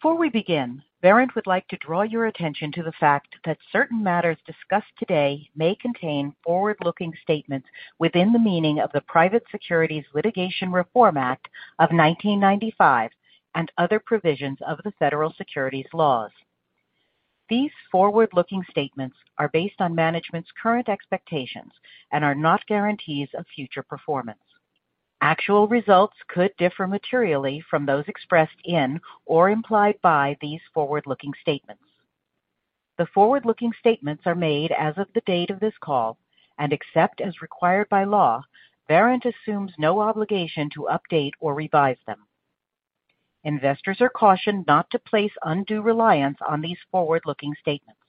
Before we begin, Verint would like to draw your attention to the fact that certain matters discussed today may contain forward-looking statements within the meaning of the Private Securities Litigation Reform Act of 1995 and other provisions of the federal securities laws. These forward-looking statements are based on management's current expectations and are not guarantees of future performance. Actual results could differ materially from those expressed in or implied by these forward-looking statements. The forward-looking statements are made as of the date of this call and, except as required by law, Verint assumes no obligation to update or revise them. Investors are cautioned not to place undue reliance on these forward-looking statements.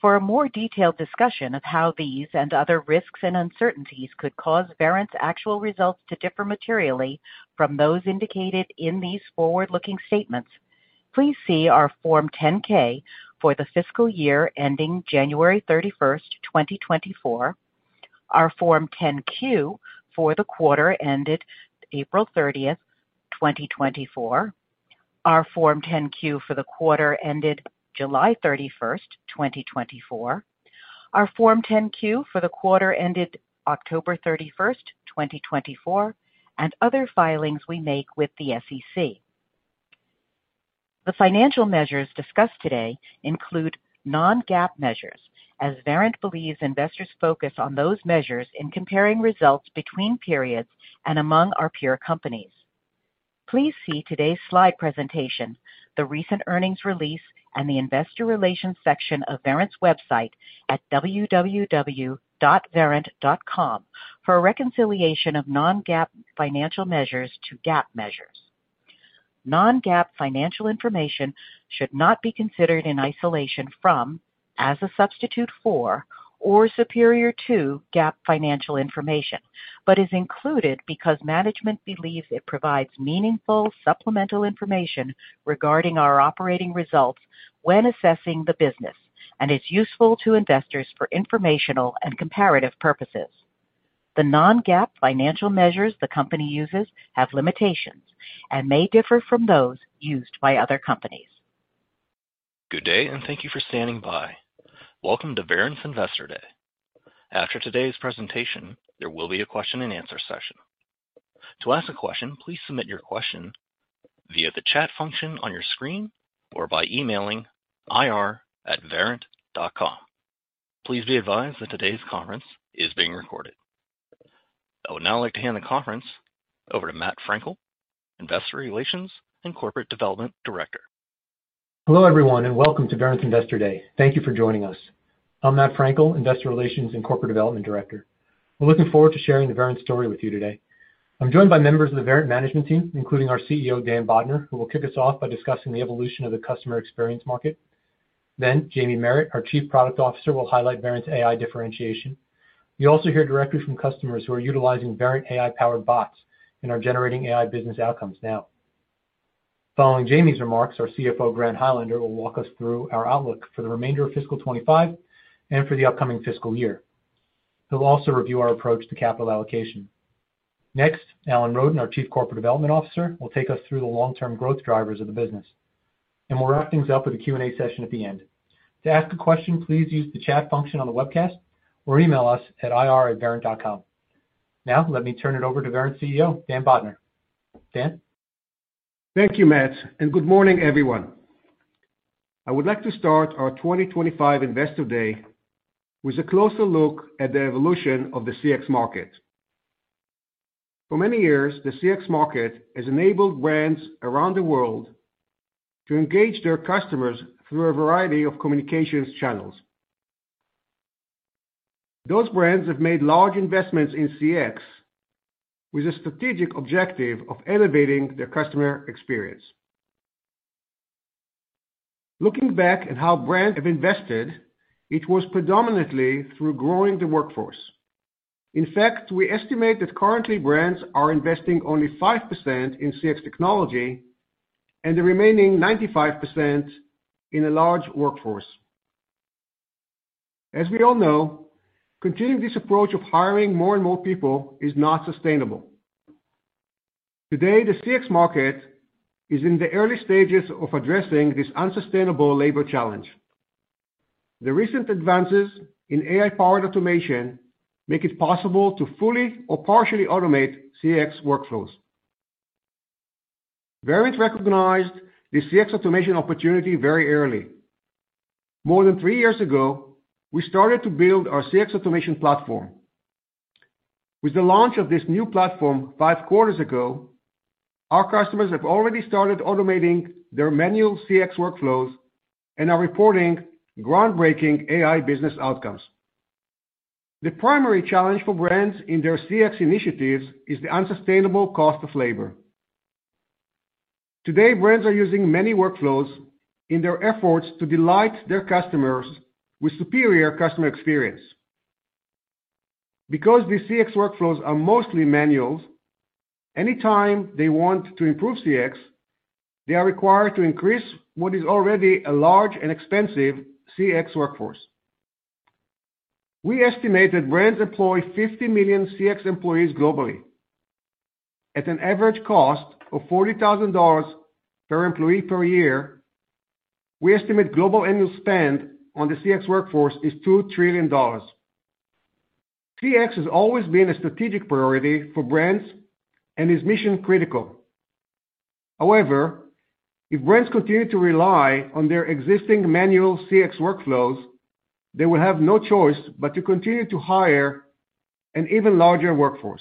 For a more detailed discussion of how these and other risks and uncertainties could cause Verint's actual results to differ materially from those indicated in these forward-looking statements, please see our Form 10-K for the fiscal year ending January 31st, 2024, our Form 10-Q for the quarter ended April 30th, 2024, our Form 10-Q for the quarter ended July 31st, 2024, our Form 10-Q for the quarter ended October 31st, 2024, and other filings we make with the SEC. The financial measures discussed today include non-GAAP measures, as Verint believes investors focus on those measures in comparing results between periods and among our peer companies. Please see today's slide presentation, the recent earnings release, and the investor relations section of Verint's website at www.verint.com for a reconciliation of non-GAAP financial measures to GAAP measures. Non-GAAP financial information should not be considered in isolation from, as a substitute for, or superior to GAAP financial information, but is included because management believes it provides meaningful supplemental information regarding our operating results when assessing the business and is useful to investors for informational and comparative purposes. The non-GAAP financial measures the company uses have limitations and may differ from those used by other companies. Good day, and thank you for standing by. Welcome to Verint's Investor Day. After today's presentation, there will be a question-and-answer session. To ask a question, please submit your question via the chat function on your screen or by emailing ir@verint.com. Please be advised that today's conference is being recorded. I would now like to hand the conference over to Matt Frankel, Investor Relations and Corporate Development Director. Hello, everyone, and welcome to Verint's Investor Day. Thank you for joining us. I'm Matt Frankel, Investor Relations and Corporate Development Director. We're looking forward to sharing the Verint story with you today. I'm joined by members of the Verint management team, including our CEO, Dan Bodner, who will kick us off by discussing the evolution of the customer experience market. Then, Jaime Meritt, our Chief Product Officer, will highlight Verint's AI differentiation. You'll also hear directly from customers who are utilizing Verint AI-powered bots and are generating AI business outcomes now. Following Jaime's remarks, our CFO, Grant Highlander, will walk us through our outlook for the remainder of fiscal 25 and for the upcoming fiscal year. He'll also review our approach to capital allocation. Next, Alan Roden, our Chief Corporate Development Officer, will take us through the long-term growth drivers of the business. We'll wrap things up with a Q&A session at the end. To ask a question, please use the chat function on the webcast or email us at ir@verint.com. Now, let me turn it over to Verint's CEO, Dan Bodner. Dan? Thank you, Matt. And good morning, everyone. I would like to start our 2025 Investor Day with a closer look at the evolution of the CX market. For many years, the CX market has enabled brands around the world to engage their customers through a variety of communications channels. Those brands have made large investments in CX with a strategic objective of elevating their customer experience. Looking back at how brands have invested, it was predominantly through growing the workforce. In fact, we estimate that currently brands are investing only 5% in CX technology and the remaining 95% in a large workforce. As we all know, continuing this approach of hiring more and more people is not sustainable. Today, the CX market is in the early stages of addressing this unsustainable labor challenge. The recent advances in AI-powered automation make it possible to fully or partially automate CX workflows. Verint recognized the CX automation opportunity very early. More than three years ago, we started to build our CX automation platform. With the launch of this new platform five quarters ago, our customers have already started automating their manual CX workflows and are reporting groundbreaking AI business outcomes. The primary challenge for brands in their CX initiatives is the unsustainable cost of labor. Today, brands are using many workflows in their efforts to delight their customers with superior customer experience. Because the CX workflows are mostly manual, any time they want to improve CX, they are required to increase what is already a large and expensive CX workforce. We estimate that brands employ 50 million CX employees globally. At an average cost of $40,000 per employee per year, we estimate global annual spend on the CX workforce is $2 trillion. CX has always been a strategic priority for brands and is mission-critical. However, if brands continue to rely on their existing manual CX workflows, they will have no choice but to continue to hire an even larger workforce.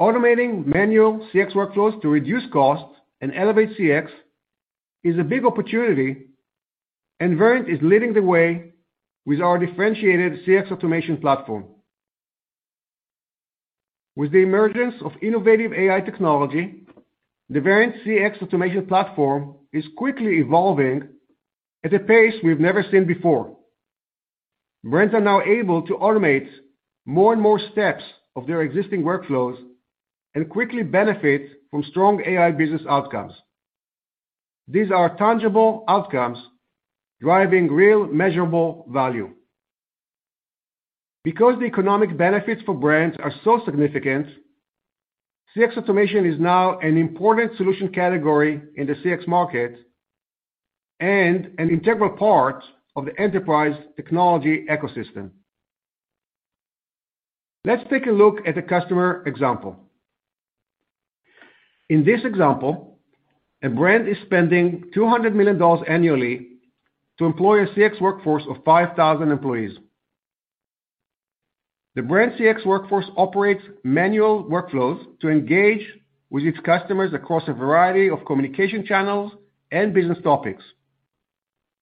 Automating manual CX workflows to reduce costs and elevate CX is a big opportunity, and Verint is leading the way with our differentiated CX automation platform. With the emergence of innovative AI technology, the Verint CX automation platform is quickly evolving at a pace we've never seen before. Brands are now able to automate more and more steps of their existing workflows and quickly benefit from strong AI business outcomes. These are tangible outcomes driving real, measurable value. Because the economic benefits for brands are so significant, CX automation is now an important solution category in the CX market and an integral part of the enterprise technology ecosystem. Let's take a look at a customer example. In this example, a brand is spending $200 million annually to employ a CX workforce of 5,000 employees. The brand's CX workforce operates manual workflows to engage with its customers across a variety of communication channels and business topics.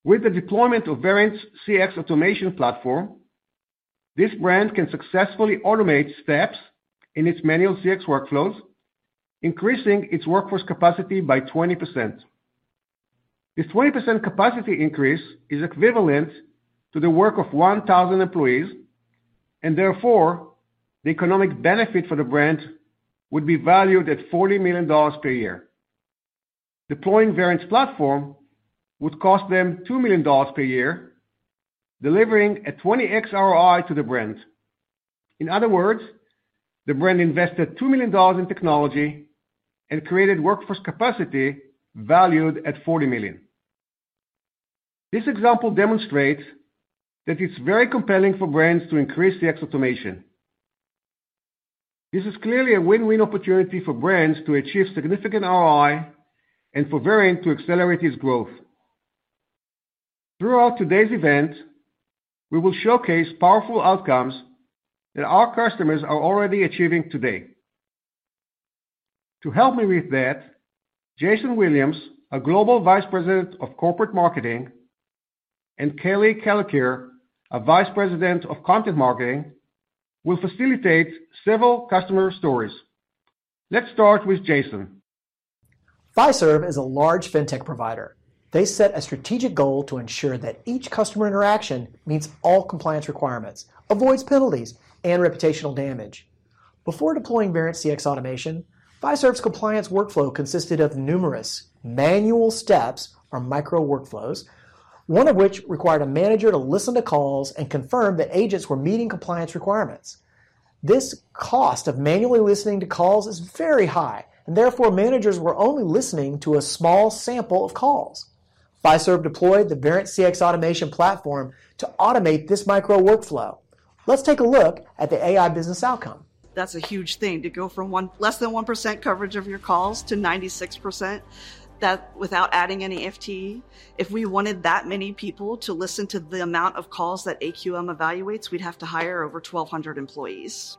With the deployment of Verint's CX automation platform, this brand can successfully automate steps in its manual CX workflows, increasing its workforce capacity by 20%. This 20% capacity increase is equivalent to the work of 1,000 employees, and therefore, the economic benefit for the brand would be valued at $40 million per year. Deploying Verint's platform would cost them $2 million per year, delivering a 20X ROI to the brand. In other words, the brand invested $2 million in technology and created workforce capacity valued at $40 million. This example demonstrates that it's very compelling for brands to increase CX automation. This is clearly a win-win opportunity for brands to achieve significant ROI and for Verint to accelerate its growth. Throughout today's event, we will showcase powerful outcomes that our customers are already achieving today. To help me with that, Jason Williams, a Global Vice President of Corporate Marketing, and Kelly Koelliker, a Vice President of Content Marketing, will facilitate several customer stories. Let's start with Jason. Fiserv is a large fintech provider. They set a strategic goal to ensure that each customer interaction meets all compliance requirements, avoids penalties, and reputational damage. Before deploying Verint's CX automation, Fiserv's compliance workflow consisted of numerous manual steps or micro-workflows, one of which required a manager to listen to calls and confirm that agents were meeting compliance requirements. This cost of manually listening to calls is very high, and therefore, managers were only listening to a small sample of calls. Fiserv deployed the Verint CX automation platform to automate this micro-workflow. Let's take a look at the AI business outcome. That's a huge thing to go from less than 1% coverage of your calls to 96% without adding any FTE. If we wanted that many people to listen to the amount of calls that AQM evaluates, we'd have to hire over 1,200 employees.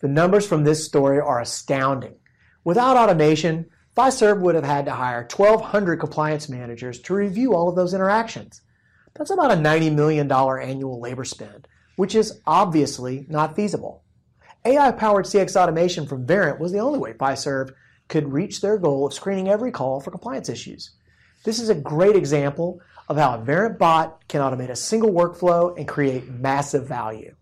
The numbers from this story are astounding. Without automation, Fiserv would have had to hire 1,200 compliance managers to review all of those interactions. That's about a $90 million annual labor spend, which is obviously not feasible. AI-powered CX automation from Verint was the only way Fiserv could reach their goal of screening every call for compliance issues. This is a great example of how a Verint bot can automate a single workflow and create massive value.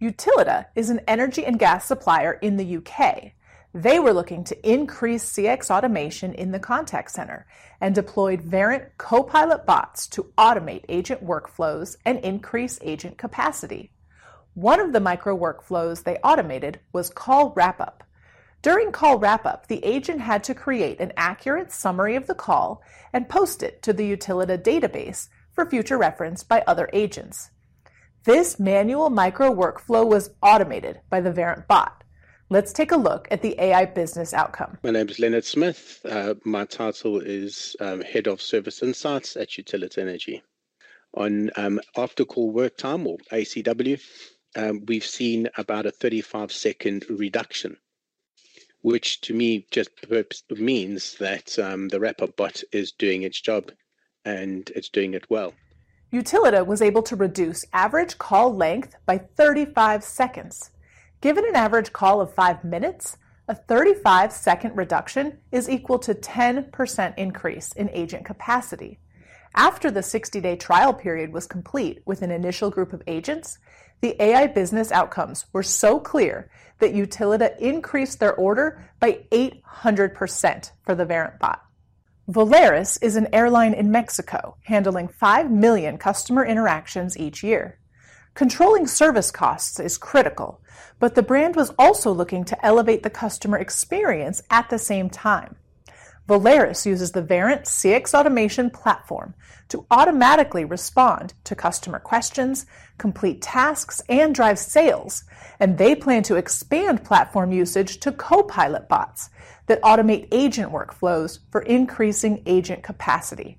Utilita is an energy and gas supplier in the U.K. They were looking to increase CX automation in the contact center and deployed Verint Copilot bots to automate agent workflows and increase agent capacity. One of the micro-workflows they automated was call wrap-up. During call wrap-up, the agent had to create an accurate summary of the call and post it to the Utilita database for future reference by other agents. This manual micro-workflow was automated by the Verint bot. Let's take a look at the AI business outcome. My name is Leonard Smith. My title is Head of Service Insights at Utilita Energy. On after-call work time, or ACW, we've seen about a 35-second reduction, which to me just means that the wrap-up bot is doing its job, and it's doing it well. Utilita Energy was able to reduce average call length by 35 seconds. Given an average call of five minutes, a 35-second reduction is equal to a 10% increase in agent capacity. After the 60-day trial period was complete with an initial group of agents, the AI Business Outcomes were so clear that Utilita Energy increased their order by 800% for the Verint bot. Volaris is an airline in Mexico handling five million customer interactions each year. Controlling service costs is critical, but the brand was also looking to elevate the customer experience at the same time. Volaris uses the Verint CX Automation Platform to automatically respond to customer questions, complete tasks, and drive sales, and they plan to expand platform usage to Verint Copilot bots that automate agent workflows for increasing agent capacity.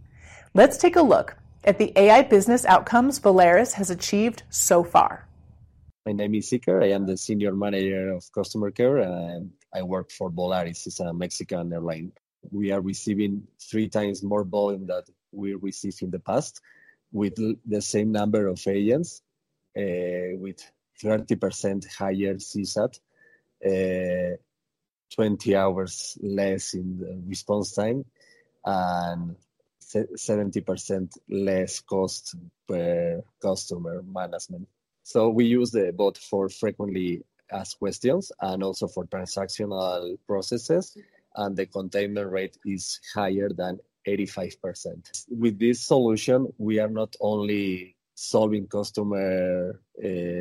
Let's take a look at the AI Business Outcomes Volaris has achieved so far. My name is Iker. I am the Senior Manager of Customer Care, and I work for Volaris. It's a Mexican airline. We are receiving three times more volume than we received in the past with the same number of agents, with 30% higher CSAT, 20 hours less in the response time, and 70% less cost per customer management. So we use the bot for frequently asked questions and also for transactional processes, and the containment rate is higher than 85%. With this solution, we are not only solving customer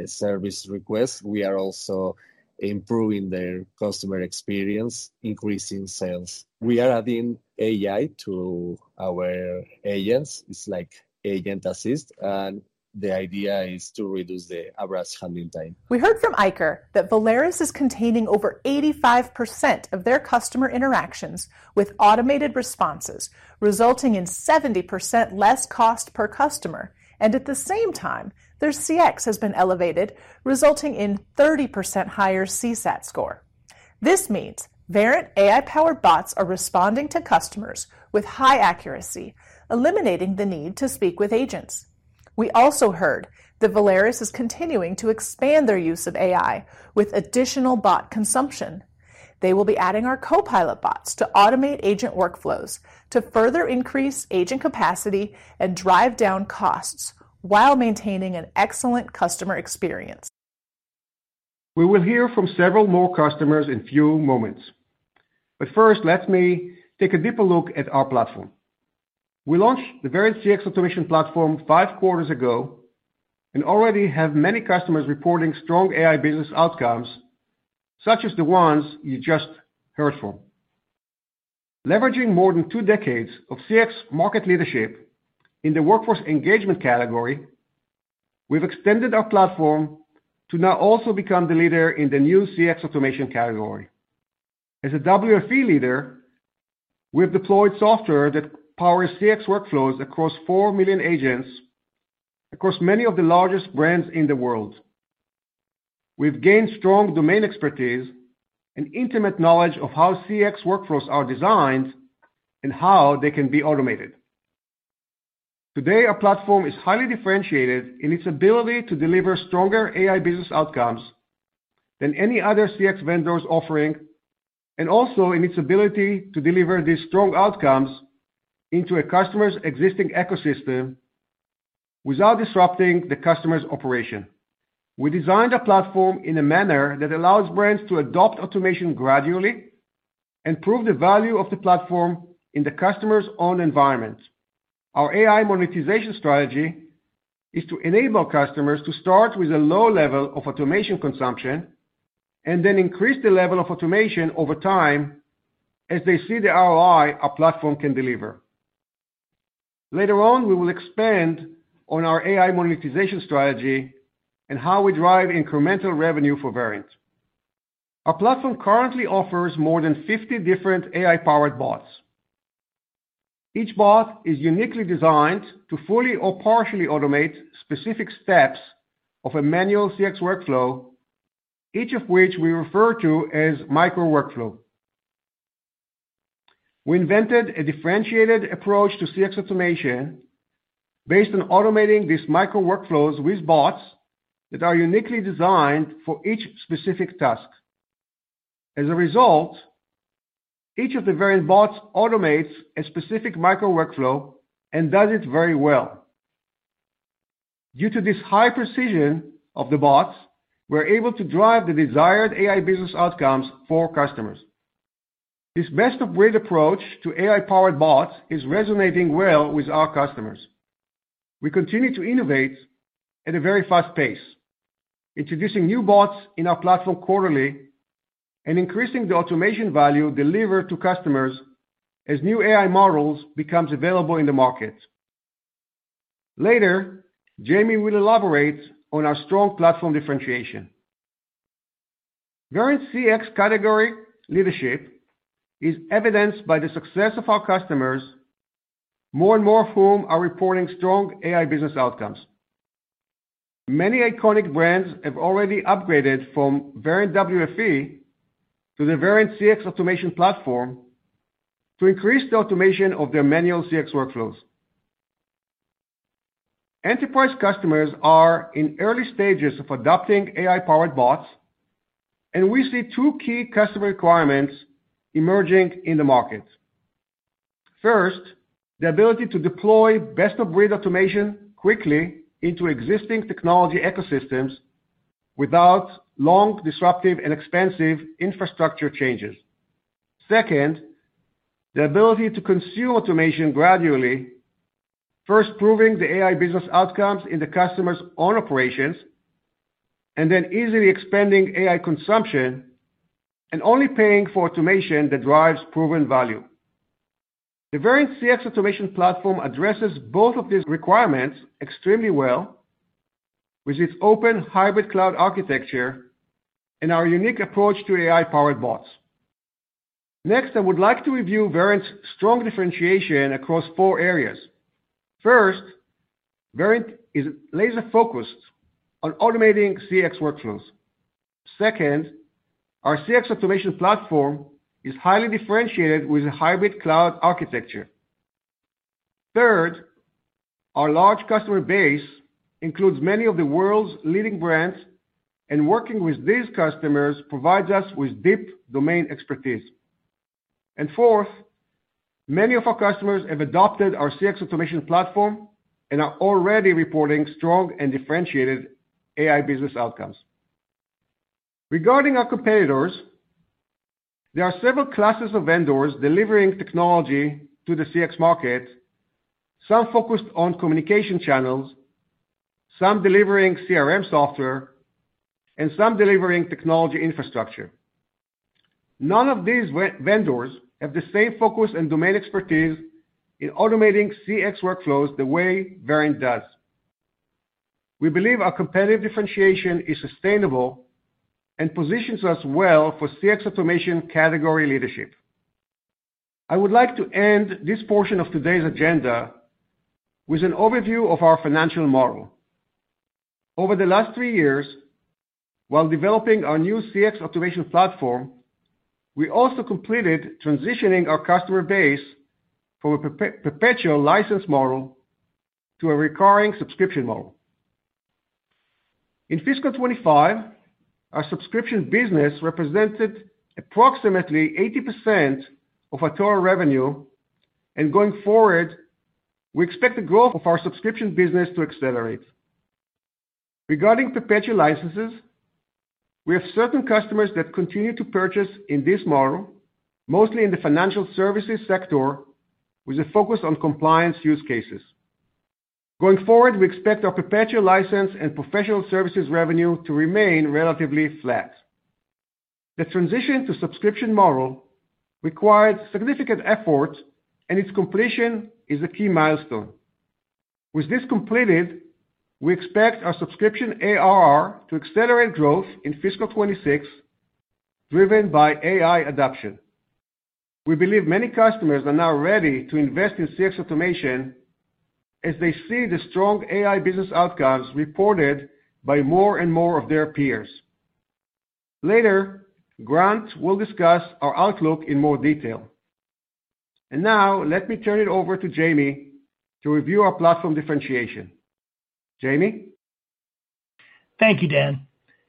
service requests, we are also improving their customer experience, increasing sales. We are adding AI to our agents. It's like Agent Assist, and the idea is to reduce the average handling time. We heard from Iker that Volaris is containing over 85% of their customer interactions with automated responses, resulting in 70% less cost per customer, and at the same time, their CX has been elevated, resulting in a 30% higher CSAT score. This means Verint AI-powered bots are responding to customers with high accuracy, eliminating the need to speak with agents. We also heard that Volaris is continuing to expand their use of AI with additional bot consumption. They will be adding our Verint Copilot bots to automate agent workflows to further increase agent capacity and drive down costs while maintaining an excellent customer experience. We will hear from several more customers in a few moments. But first, let me take a deeper look at our platform. We launched the Verint CX Automation Platform Q5 ago and already have many customers reporting strong AI Business Outcomes, such as the ones you just heard from. Leveraging more than two decades of CX market leadership in the workforce engagement category, we've extended our platform to now also become the leader in the new CX automation category. As a WFE leader, we've deployed software that powers CX workflows across 4 million agents across many of the largest brands in the world. We've gained strong domain expertise and intimate knowledge of how CX workflows are designed and how they can be automated. Today, our platform is highly differentiated in its ability to deliver stronger AI business outcomes than any other CX vendors offering, and also in its ability to deliver these strong outcomes into a customer's existing ecosystem without disrupting the customer's operation. We designed our platform in a manner that allows brands to adopt automation gradually and prove the value of the platform in the customer's own environment. Our AI monetization strategy is to enable customers to start with a low level of automation consumption and then increase the level of automation over time as they see the ROI our platform can deliver. Later on, we will expand on our AI monetization strategy and how we drive incremental revenue for Verint. Our platform currently offers more than 50 different AI-powered bots. Each bot is uniquely designed to fully or partially automate specific steps of a manual CX workflow, each of which we refer to as micro-workflow. We invented a differentiated approach to CX automation based on automating these micro-workflows with bots that are uniquely designed for each specific task. As a result, each of the Verint bots automates a specific micro-workflow and does it very well. Due to this high precision of the bots, we're able to drive the desired AI business outcomes for customers. This best-of-breed approach to AI-powered bots is resonating well with our customers. We continue to innovate at a very fast pace, introducing new bots in our platform quarterly and increasing the automation value delivered to customers as new AI models become available in the market. Later, Jaime will elaborate on our strong platform differentiation. Verint CX category leadership is evidenced by the success of our customers, more and more of whom are reporting strong AI business outcomes. Many iconic brands have already upgraded from Verint WFE to the Verint CX Automation Platform to increase the automation of their manual CX workflows. Enterprise customers are in early stages of adopting AI-powered bots, and we see two key customer requirements emerging in the market. First, the ability to deploy best-of-breed automation quickly into existing technology ecosystems without long, disruptive, and expensive infrastructure changes. Second, the ability to consume automation gradually, first proving the AI business outcomes in the customer's own operations, and then easily expanding AI consumption and only paying for automation that drives proven value. The Verint CX Automation Platform addresses both of these requirements extremely well with its open hybrid cloud architecture and our unique approach to AI-powered bots. Next, I would like to review Verint's strong differentiation across four areas. First, Verint is laser-focused on automating CX workflows. Second, our CX automation platform is highly differentiated with a hybrid cloud architecture. Third, our large customer base includes many of the world's leading brands, and working with these customers provides us with deep domain expertise. Fourth, many of our customers have adopted our CX automation platform and are already reporting strong and differentiated AI business outcomes. Regarding our competitors, there are several classes of vendors delivering technology to the CX market, some focused on communication channels, some delivering CRM software, and some delivering technology infrastructure. None of these vendors have the same focus and domain expertise in automating CX workflows the way Verint does. We believe our competitive differentiation is sustainable and positions us well for CX automation category leadership. I would like to end this portion of today's agenda with an overview of our financial model. Over the last three years, while developing our new CX automation platform, we also completed transitioning our customer base from a perpetual license model to a recurring subscription model. In fiscal 2025, our subscription business represented approximately 80% of our total revenue, and going forward, we expect the growth of our subscription business to accelerate. Regarding perpetual licenses, we have certain customers that continue to purchase in this model, mostly in the financial services sector with a focus on compliance use cases. Going forward, we expect our perpetual license and professional services revenue to remain relatively flat. The transition to subscription model required significant effort, and its completion is a key milestone. With this completed, we expect our subscription ARR to accelerate growth in fiscal 2026, driven by AI adoption. We believe many customers are now ready to invest in CX automation as they see the strong AI business outcomes reported by more and more of their peers. Later, Grant will discuss our outlook in more detail. And now, let me turn it over to Jaime to review our platform differentiation. Jaime. Thank you, Dan.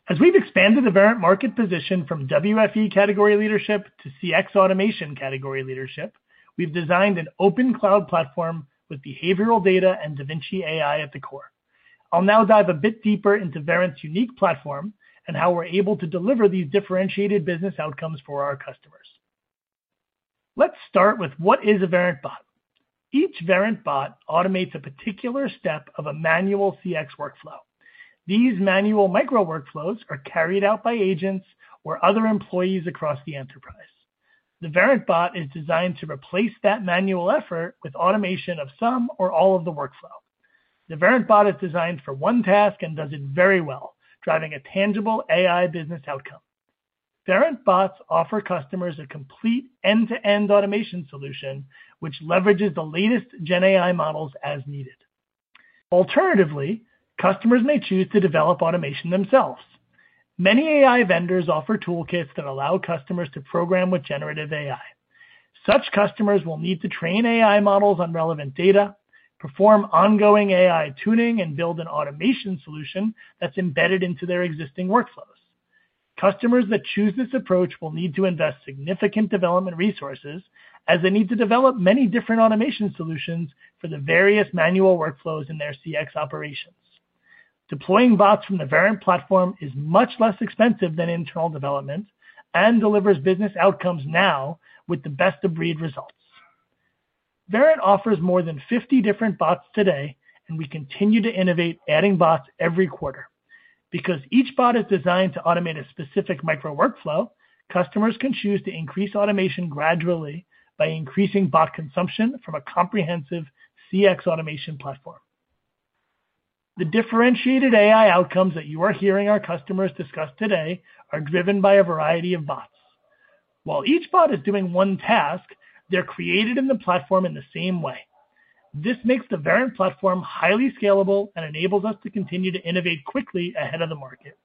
As we've expanded the Verint market position from WFE category leadership to CX automation category leadership, we've designed an open cloud platform with behavioral data and DaVinci AI at the core. I'll now dive a bit deeper into Verint's unique platform and how we're able to deliver these differentiated business outcomes for our customers. Let's start with what is a Verint bot? Each Verint bot automates a particular step of a manual CX workflow. These manual micro-workflows are carried out by agents or other employees across the enterprise. The Verint bot is designed to replace that manual effort with automation of some or all of the workflow. The Verint bot is designed for one task and does it very well, driving a tangible AI business outcome. Verint bots offer customers a complete end-to-end automation solution, which leverages the latest GenAI models as needed. Alternatively, customers may choose to develop automation themselves. Many AI vendors offer toolkits that allow customers to program with generative AI. Such customers will need to train AI models on relevant data, perform ongoing AI tuning, and build an automation solution that's embedded into their existing workflows. Customers that choose this approach will need to invest significant development resources as they need to develop many different automation solutions for the various manual workflows in their CX operations. Deploying bots from the Verint platform is much less expensive than internal development and delivers business outcomes now with the best-of-breed results. Verint offers more than 50 different bots today, and we continue to innovate, adding bots every quarter. Because each bot is designed to automate a specific micro-workflow, customers can choose to increase automation gradually by increasing bot consumption from a comprehensive CX automation platform. The differentiated AI outcomes that you are hearing our customers discuss today are driven by a variety of bots. While each bot is doing one task, they're created in the platform in the same way. This makes the Verint platform highly scalable and enables us to continue to innovate quickly ahead of the market.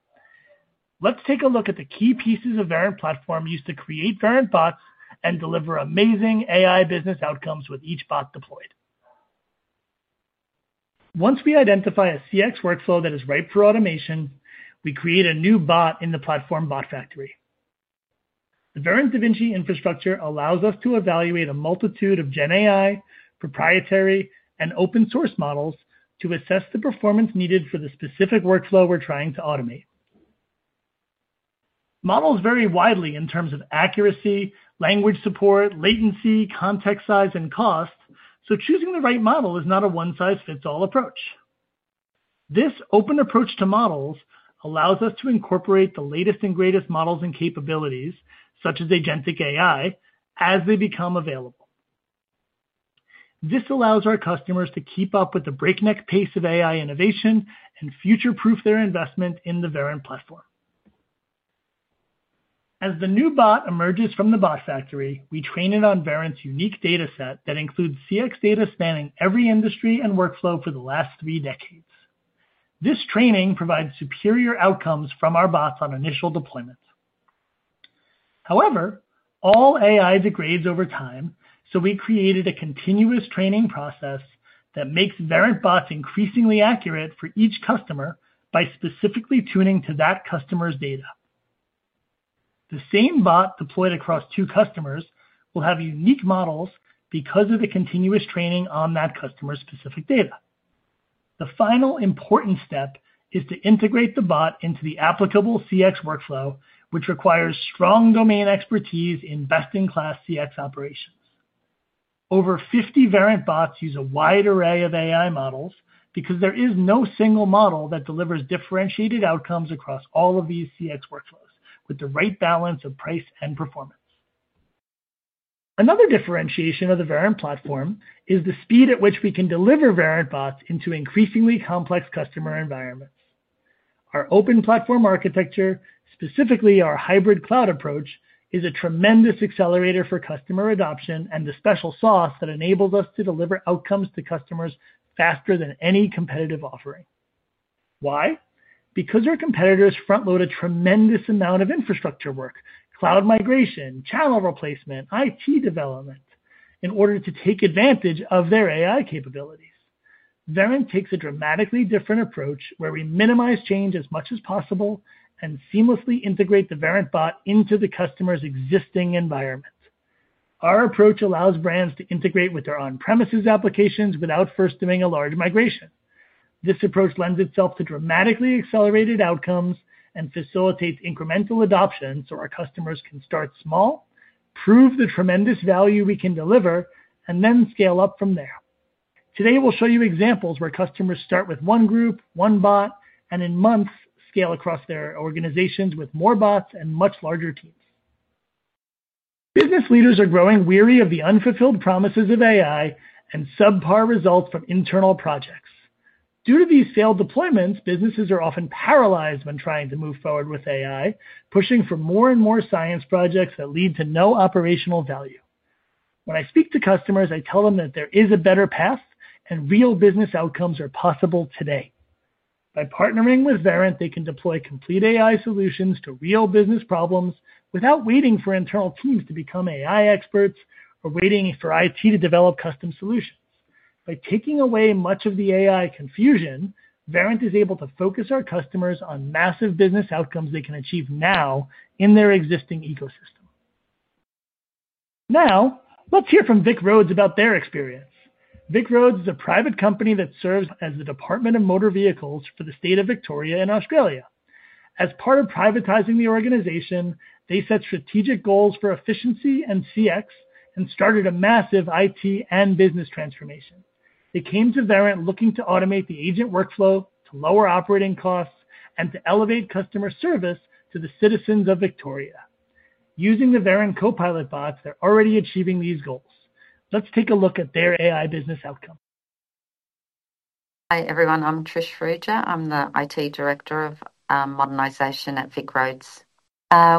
Let's take a look at the key pieces of Verint platform used to create Verint bots and deliver amazing AI business outcomes with each bot deployed. Once we identify a CX workflow that is ripe for automation, we create a new bot in the platform Bot Factory. The Verint DaVinci infrastructure allows us to evaluate a multitude of GenAI, proprietary, and open-source models to assess the performance needed for the specific workflow we're trying to automate. Models vary widely in terms of accuracy, language support, latency, context size, and cost, so choosing the right model is not a one-size-fits-all approach. This open approach to models allows us to incorporate the latest and greatest models and capabilities, such as agentic AI, as they become available. This allows our customers to keep up with the breakneck pace of AI innovation and future-proof their investment in the Verint platform. As the new bot emerges from the Bot Factory, we train it on Verint's unique dataset that includes CX data spanning every industry and workflow for the last three decades. This training provides superior outcomes from our bots on initial deployments. However, all AI degrades over time, so we created a continuous training process that makes Verint bots increasingly accurate for each customer by specifically tuning to that customer's data. The same bot deployed across two customers will have unique models because of the continuous training on that customer's specific data. The final important step is to integrate the bot into the applicable CX workflow, which requires strong domain expertise in best-in-class CX operations. Over 50 Verint bots use a wide array of AI models because there is no single model that delivers differentiated outcomes across all of these CX workflows with the right balance of price and performance. Another differentiation of the Verint platform is the speed at which we can deliver Verint bots into increasingly complex customer environments. Our open platform architecture, specifically our hybrid cloud approach, is a tremendous accelerator for customer adoption and the special sauce that enables us to deliver outcomes to customers faster than any competitive offering. Why? Because our competitors front-load a tremendous amount of infrastructure work, cloud migration, channel replacement, IT development, in order to take advantage of their AI capabilities. Verint takes a dramatically different approach where we minimize change as much as possible and seamlessly integrate the Verint bot into the customer's existing environment. Our approach allows brands to integrate with their on-premises applications without first doing a large migration. This approach lends itself to dramatically accelerated outcomes and facilitates incremental adoption so our customers can start small, prove the tremendous value we can deliver, and then scale up from there. Today, we'll show you examples where customers start with one group, one bot, and in months scale across their organizations with more bots and much larger teams. Business leaders are growing weary of the unfulfilled promises of AI and subpar results from internal projects. Due to these failed deployments, businesses are often paralyzed when trying to move forward with AI, pushing for more and more science projects that lead to no operational value. When I speak to customers, I tell them that there is a better path and real business outcomes are possible today. By partnering with Verint, they can deploy complete AI solutions to real business problems without waiting for internal teams to become AI experts or waiting for IT to develop custom solutions. By taking away much of the AI confusion, Verint is able to focus our customers on massive business outcomes they can achieve now in their existing ecosystem. Now, let's hear from VicRoads about their experience. VicRoads is a private company that serves as the Department of Motor Vehicles for the state of Victoria in Australia. As part of privatizing the organization, they set strategic goals for efficiency and CX and started a massive IT and business transformation. They came to Verint looking to automate the agent workflow, to lower operating costs, and to elevate customer service to the citizens of Victoria. Using the Verint Copilot bots, they're already achieving these goals. Let's take a look at their AI business outcome. Hi everyone, I'm Trish Fradge. I'm the IT Director of Modernization at VicRoads.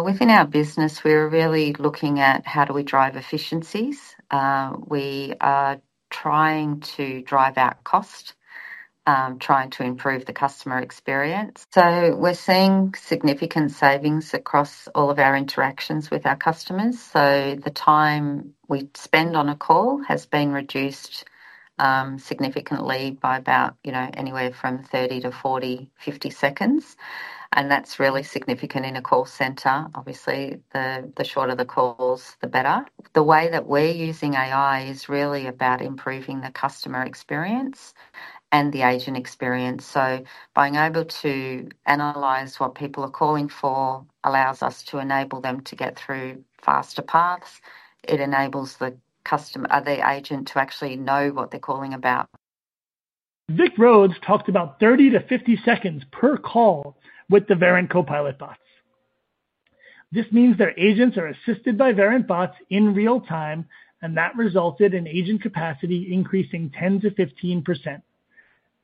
Within our business, we're really looking at how do we drive efficiencies. We are trying to drive out cost, trying to improve the customer experience. So we're seeing significant savings across all of our interactions with our customers. So the time we spend on a call has been reduced significantly by about anywhere from 30 to 40, 50 seconds. And that's really significant in a call center. Obviously, the shorter the calls, the better. The way that we're using AI is really about improving the customer experience and the agent experience. So being able to analyze what people are calling for allows us to enable them to get through faster paths. It enables the customer, the agent, to actually know what they're calling about. VicRoads talked about 30-50 seconds per call with the Verint Copilot bots. This means their agents are assisted by Verint bots in real time, and that resulted in agent capacity increasing 10-15%.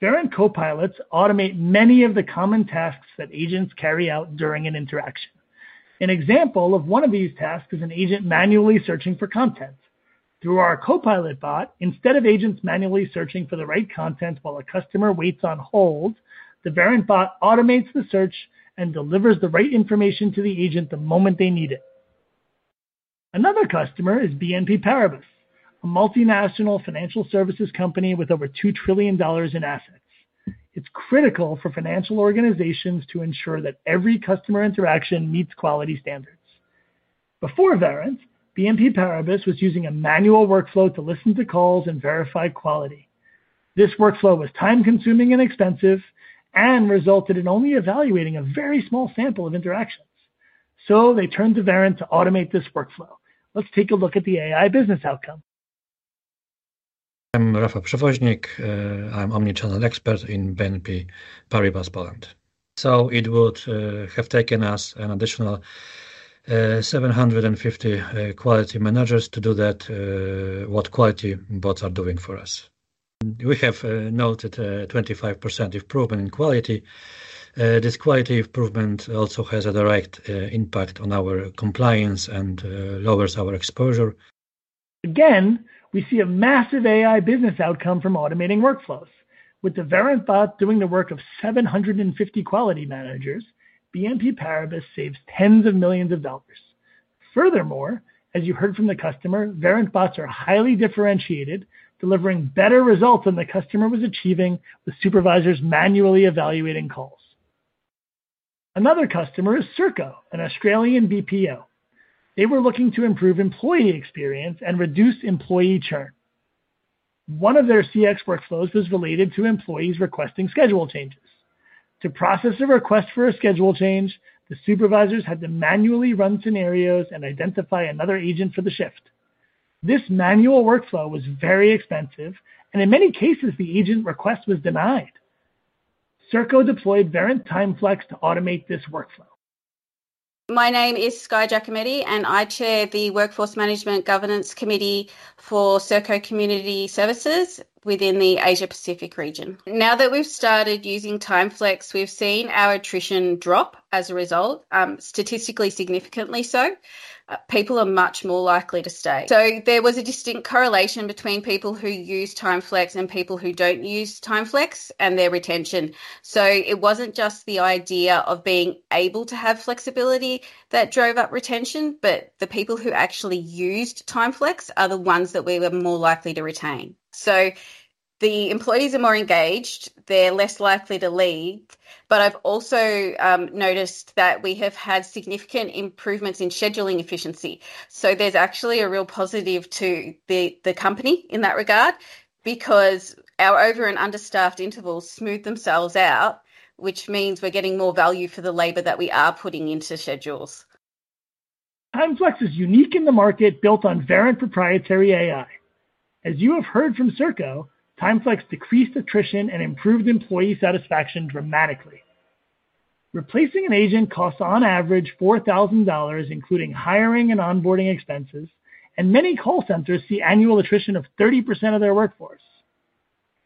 Verint Copilots automate many of the common tasks that agents carry out during an interaction. An example of one of these tasks is an agent manually searching for content. Through our Copilot bot, instead of agents manually searching for the right content while a customer waits on hold, the Verint bot automates the search and delivers the right information to the agent the moment they need it. Another customer is BNP Paribas, a multinational financial services company with over $2 trillion in assets. It's critical for financial organizations to ensure that every customer interaction meets quality standards. Before Verint, BNP Paribas, which was using a manual workflow to listen to calls and verify quality. This workflow was time-consuming and expensive and resulted in only evaluating a very small sample of interactions. So they turned to Verint to automate this workflow. Let's take a look at the AI business outcome. I'm Rafał Przewoźnik, I'm Omnichannel Expert in BNP Paribas, Poland, so it would have taken us an additional 750 quality managers to do that, what quality bots are doing for us. We have noted a 25% improvement in quality. This quality improvement also has a direct impact on our compliance and lowers our exposure. Again, we see a massive AI business outcome from automating workflows. With the Verint bot doing the work of 750 quality managers, BNP Paribas, which saves tens of millions of dollars. Furthermore, as you heard from the customer, Verint bots are highly differentiated, delivering better results than the customer was achieving with supervisors manually evaluating calls. Another customer is Serco, an Australian BPO. They were looking to improve employee experience and reduce employee churn. One of their CX workflows was related to employees requesting schedule changes. To process a request for a schedule change, the supervisors had to manually run scenarios and identify another agent for the shift. This manual workflow was very expensive, and in many cases, the agent request was denied. Serco deployed Verint TimeFlex to automate this workflow. My name is Skye Giacometti, and I chair the Workforce Management Governance Committee for Serco within the Asia-Pacific region. Now that we've started using TimeFlex, we've seen our attrition drop as a result, statistically significantly so. People are much more likely to stay. So there was a distinct correlation between people who use TimeFlex and people who don't use TimeFlex and their retention. So it wasn't just the idea of being able to have flexibility that drove up retention, but the people who actually used TimeFlex are the ones that we were more likely to retain. So the employees are more engaged, they're less likely to leave, but I've also noticed that we have had significant improvements in scheduling efficiency. So there's actually a real positive to the company in that regard because our over and understaffed intervals smooth themselves out, which means we're getting more value for the labor that we are putting into schedules. TimeFlex is unique in the market built on Verint proprietary AI. As you have heard from Serco, TimeFlex decreased attrition and improved employee satisfaction dramatically. Replacing an agent costs on average $4,000, including hiring and onboarding expenses, and many call centers see annual attrition of 30% of their workforce.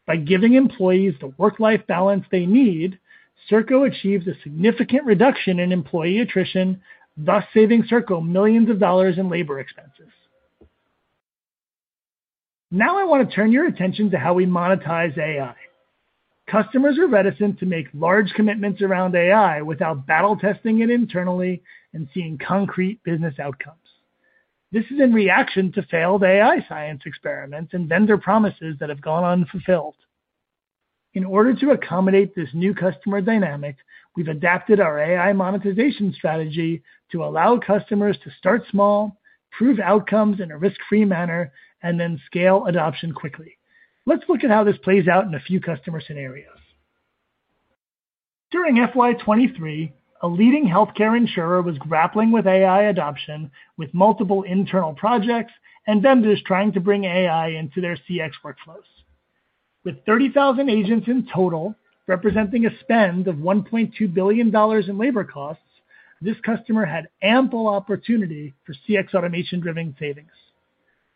By giving employees the work-life balance they need, Serco achieves a significant reduction in employee attrition, thus saving Serco millions of dollars in labor expenses. Now I want to turn your attention to how we monetize AI. Customers are reticent to make large commitments around AI without battle testing it internally and seeing concrete business outcomes. This is in reaction to failed AI science experiments and vendor promises that have gone unfulfilled. In order to accommodate this new customer dynamic, we've adapted our AI monetization strategy to allow customers to start small, prove outcomes in a risk-free manner, and then scale adoption quickly. Let's look at how this plays out in a few customer scenarios. During FY23, a leading healthcare insurer was grappling with AI adoption with multiple internal projects and vendors trying to bring AI into their CX workflows. With 30,000 agents in total representing a spend of $1.2 billion in labor costs, this customer had ample opportunity for CX automation-driven savings.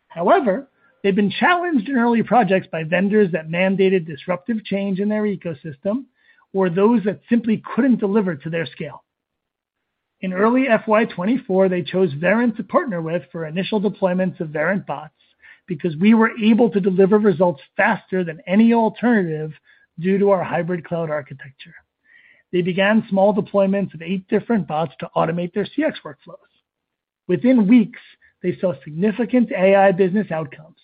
However, they've been challenged in early projects by vendors that mandated disruptive change in their ecosystem or those that simply couldn't deliver to their scale. In early FY24, they chose Verint to partner with for initial deployments of Verint bots because we were able to deliver results faster than any alternative due to our hybrid cloud architecture. They began small deployments of eight different bots to automate their CX workflows. Within weeks, they saw significant AI business outcomes.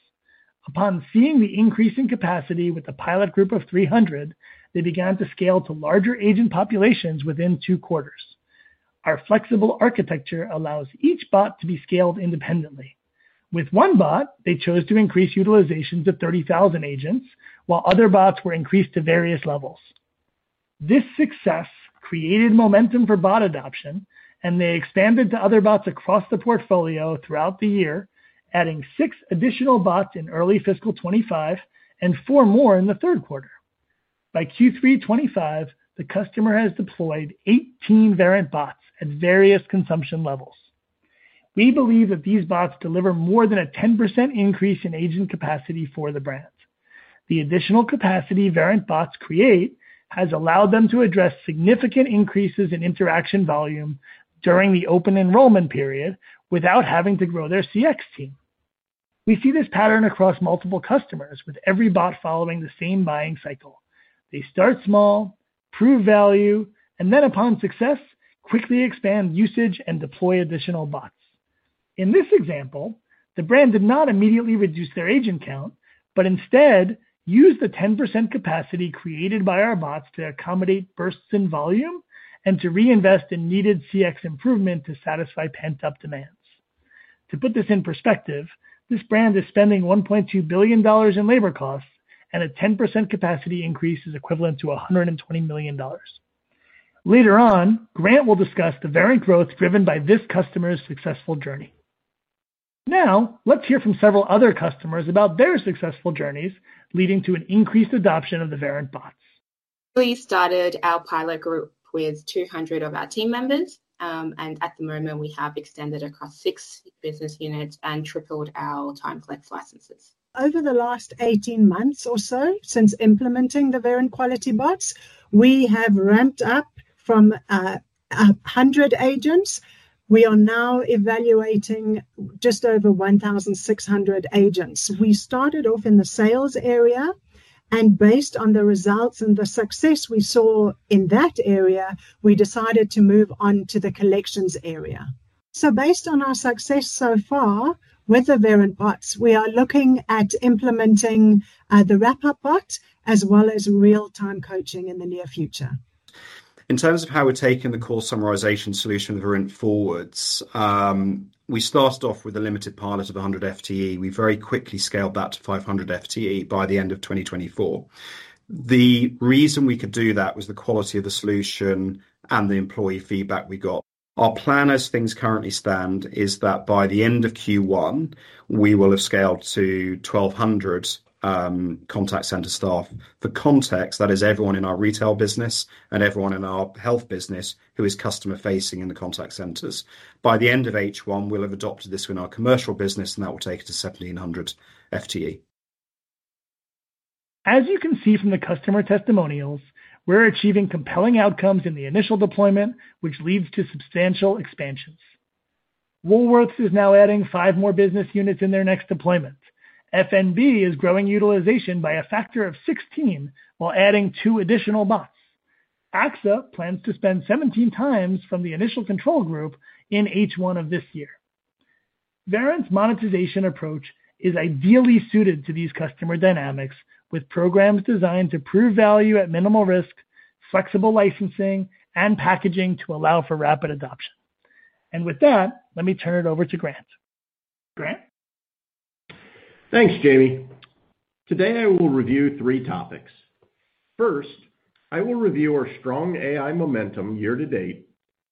Upon seeing the increase in capacity with a pilot group of 300, they began to scale to larger agent populations within Q2. Our flexible architecture allows each bot to be scaled independently. With one bot, they chose to increase utilization to 30,000 agents, while other bots were increased to various levels. This success created momentum for bot adoption, and they expanded to other bots across the portfolio throughout the year, adding six additional bots in early fiscal 25 and four more in the Q3. By Q3 '25, the customer has deployed 18 Verint bots at various consumption levels. We believe that these bots deliver more than a 10% increase in agent capacity for the brand. The additional capacity Verint bots create has allowed them to address significant increases in interaction volume during the open enrollment period without having to grow their CX team. We see this pattern across multiple customers with every bot following the same buying cycle. They start small, prove value, and then upon success, quickly expand usage and deploy additional bots. In this example, the brand did not immediately reduce their agent count, but instead used the 10% capacity created by our bots to accommodate bursts in volume and to reinvest in needed CX improvement to satisfy pent-up demands. To put this in perspective, this brand is spending $1.2 billion in labor costs, and a 10% capacity increase is equivalent to $120 million. Later on, Grant will discuss the very growth driven by this customer's successful journey. Now, let's hear from several other customers about their successful journeys leading to an increased adoption of the Verint bots. We started our pilot group with 200 of our team members, and at the moment, we have extended across six business units and tripled our TimeFlex licenses. Over the last 18 months or so since implementing the Verint quality bots, we have ramped up from 100 agents. We are now evaluating just over 1,600 agents. We started off in the sales area, and based on the results and the success we saw in that area, we decided to move on to the collections area, so based on our success so far with the Verint bots, we are looking at implementing the wrap-up bot as well as real-time coaching in the near future. In terms of how we're taking the call summarization solution with Verint forward, we started off with a limited pilot of 100 FTE. We very quickly scaled that to 500 FTE by the end of 2024. The reason we could do that was the quality of the solution and the employee feedback we got. Our plan as things currently stand is that by the end of Q1, we will have scaled to 1,200 contact center staff. For context, that is everyone in our retail business and everyone in our health business who is customer-facing in the contact centers. By the end of H1, we'll have adopted this in our commercial business, and that will take it to 1,700 FTE. As you can see from the customer testimonials, we're achieving compelling outcomes in the initial deployment, which leads to substantial expansions. Woolworths is now adding five more business units in their next deployment. FNB is growing utilization by a factor of 16 while adding two additional bots. AXA plans to spend 17 times from the initial control group in H1 of this year. Verint's monetization approach is ideally suited to these customer dynamics with programs designed to prove value at minimal risk, flexible licensing, and packaging to allow for rapid adoption. With that, let me turn it over to Grant. Grant? Thanks, Jaime. Today, I will review three topics. First, I will review our strong AI momentum year to date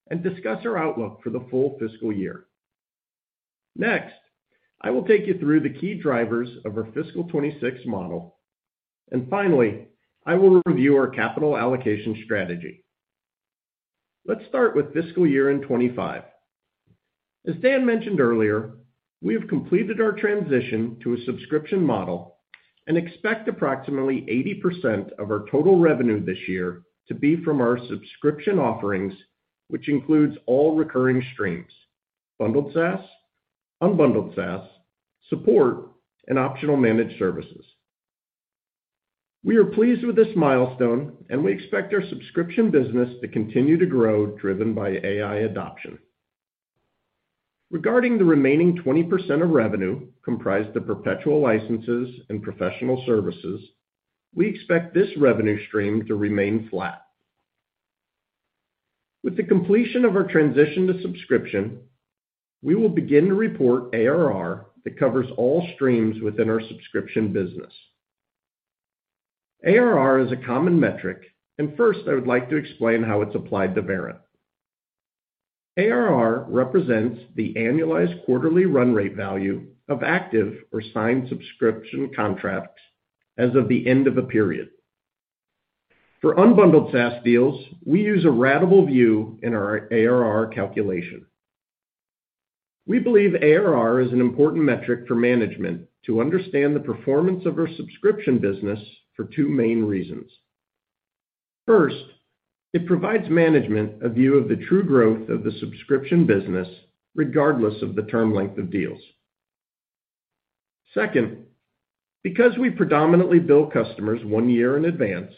and discuss our outlook for the full fiscal year. Next, I will take you through the key drivers of our fiscal '26 model. And finally, I will review our capital allocation strategy. Let's start with fiscal year '25. As Dan mentioned earlier, we have completed our transition to a subscription model and expect approximately 80% of our total revenue this year to be from our subscription offerings, which includes all recurring streams, bundled SaaS, unbundled SaaS, support, and optional managed services. We are pleased with this milestone, and we expect our subscription business to continue to grow driven by AI adoption. Regarding the remaining 20% of revenue comprised of perpetual licenses and professional services, we expect this revenue stream to remain flat. With the completion of our transition to subscription, we will begin to report ARR that covers all streams within our subscription business. ARR is a common metric, and first, I would like to explain how it's applied to Verint. ARR represents the annualized quarterly run rate value of active or signed subscription contracts as of the end of a period. For unbundled SaaS deals, we use a ratable view in our ARR calculation. We believe ARR is an important metric for management to understand the performance of our subscription business for two main reasons. First, it provides management a view of the true growth of the subscription business regardless of the term length of deals. Second, because we predominantly bill customers one year in advance,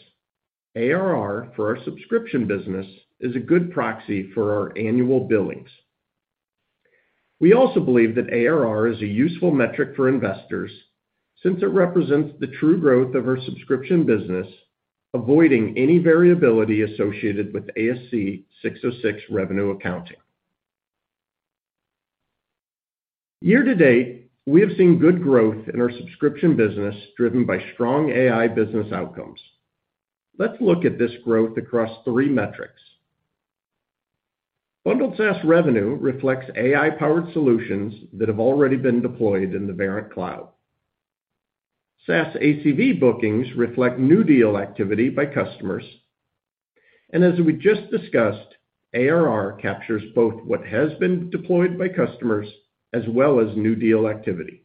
ARR for our subscription business is a good proxy for our annual billings. We also believe that ARR is a useful metric for investors since it represents the true growth of our subscription business, avoiding any variability associated with ASC 606 revenue accounting. Year to date, we have seen good growth in our subscription business driven by strong AI business outcomes. Let's look at this growth across three metrics. Bundled SaaS revenue reflects AI-powered solutions that have already been deployed in the Verint cloud. SaaS ACV bookings reflect new deal activity by customers. And as we just discussed, ARR captures both what has been deployed by customers as well as new deal activity.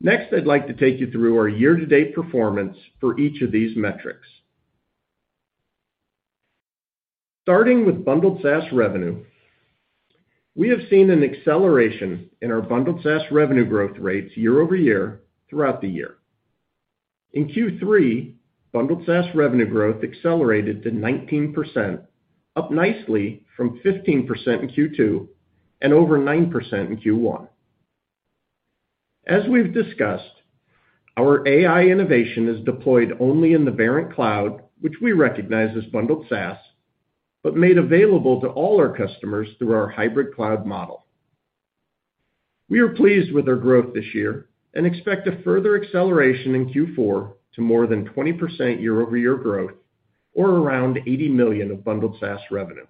Next, I'd like to take you through our year-to-date performance for each of these metrics. Starting with bundled SaaS revenue, we have seen an acceleration in our bundled SaaS revenue growth rates year over year throughout the year. In Q3, bundled SaaS revenue growth accelerated to 19%, up nicely from 15% in Q2 and over 9% in Q1. As we've discussed, our AI innovation is deployed only in the Verint cloud, which we recognize as bundled SaaS, but made available to all our customers through our hybrid cloud model. We are pleased with our growth this year and expect a further acceleration in Q4 to more than 20% year-over-year growth or around $80 million of bundled SaaS revenue.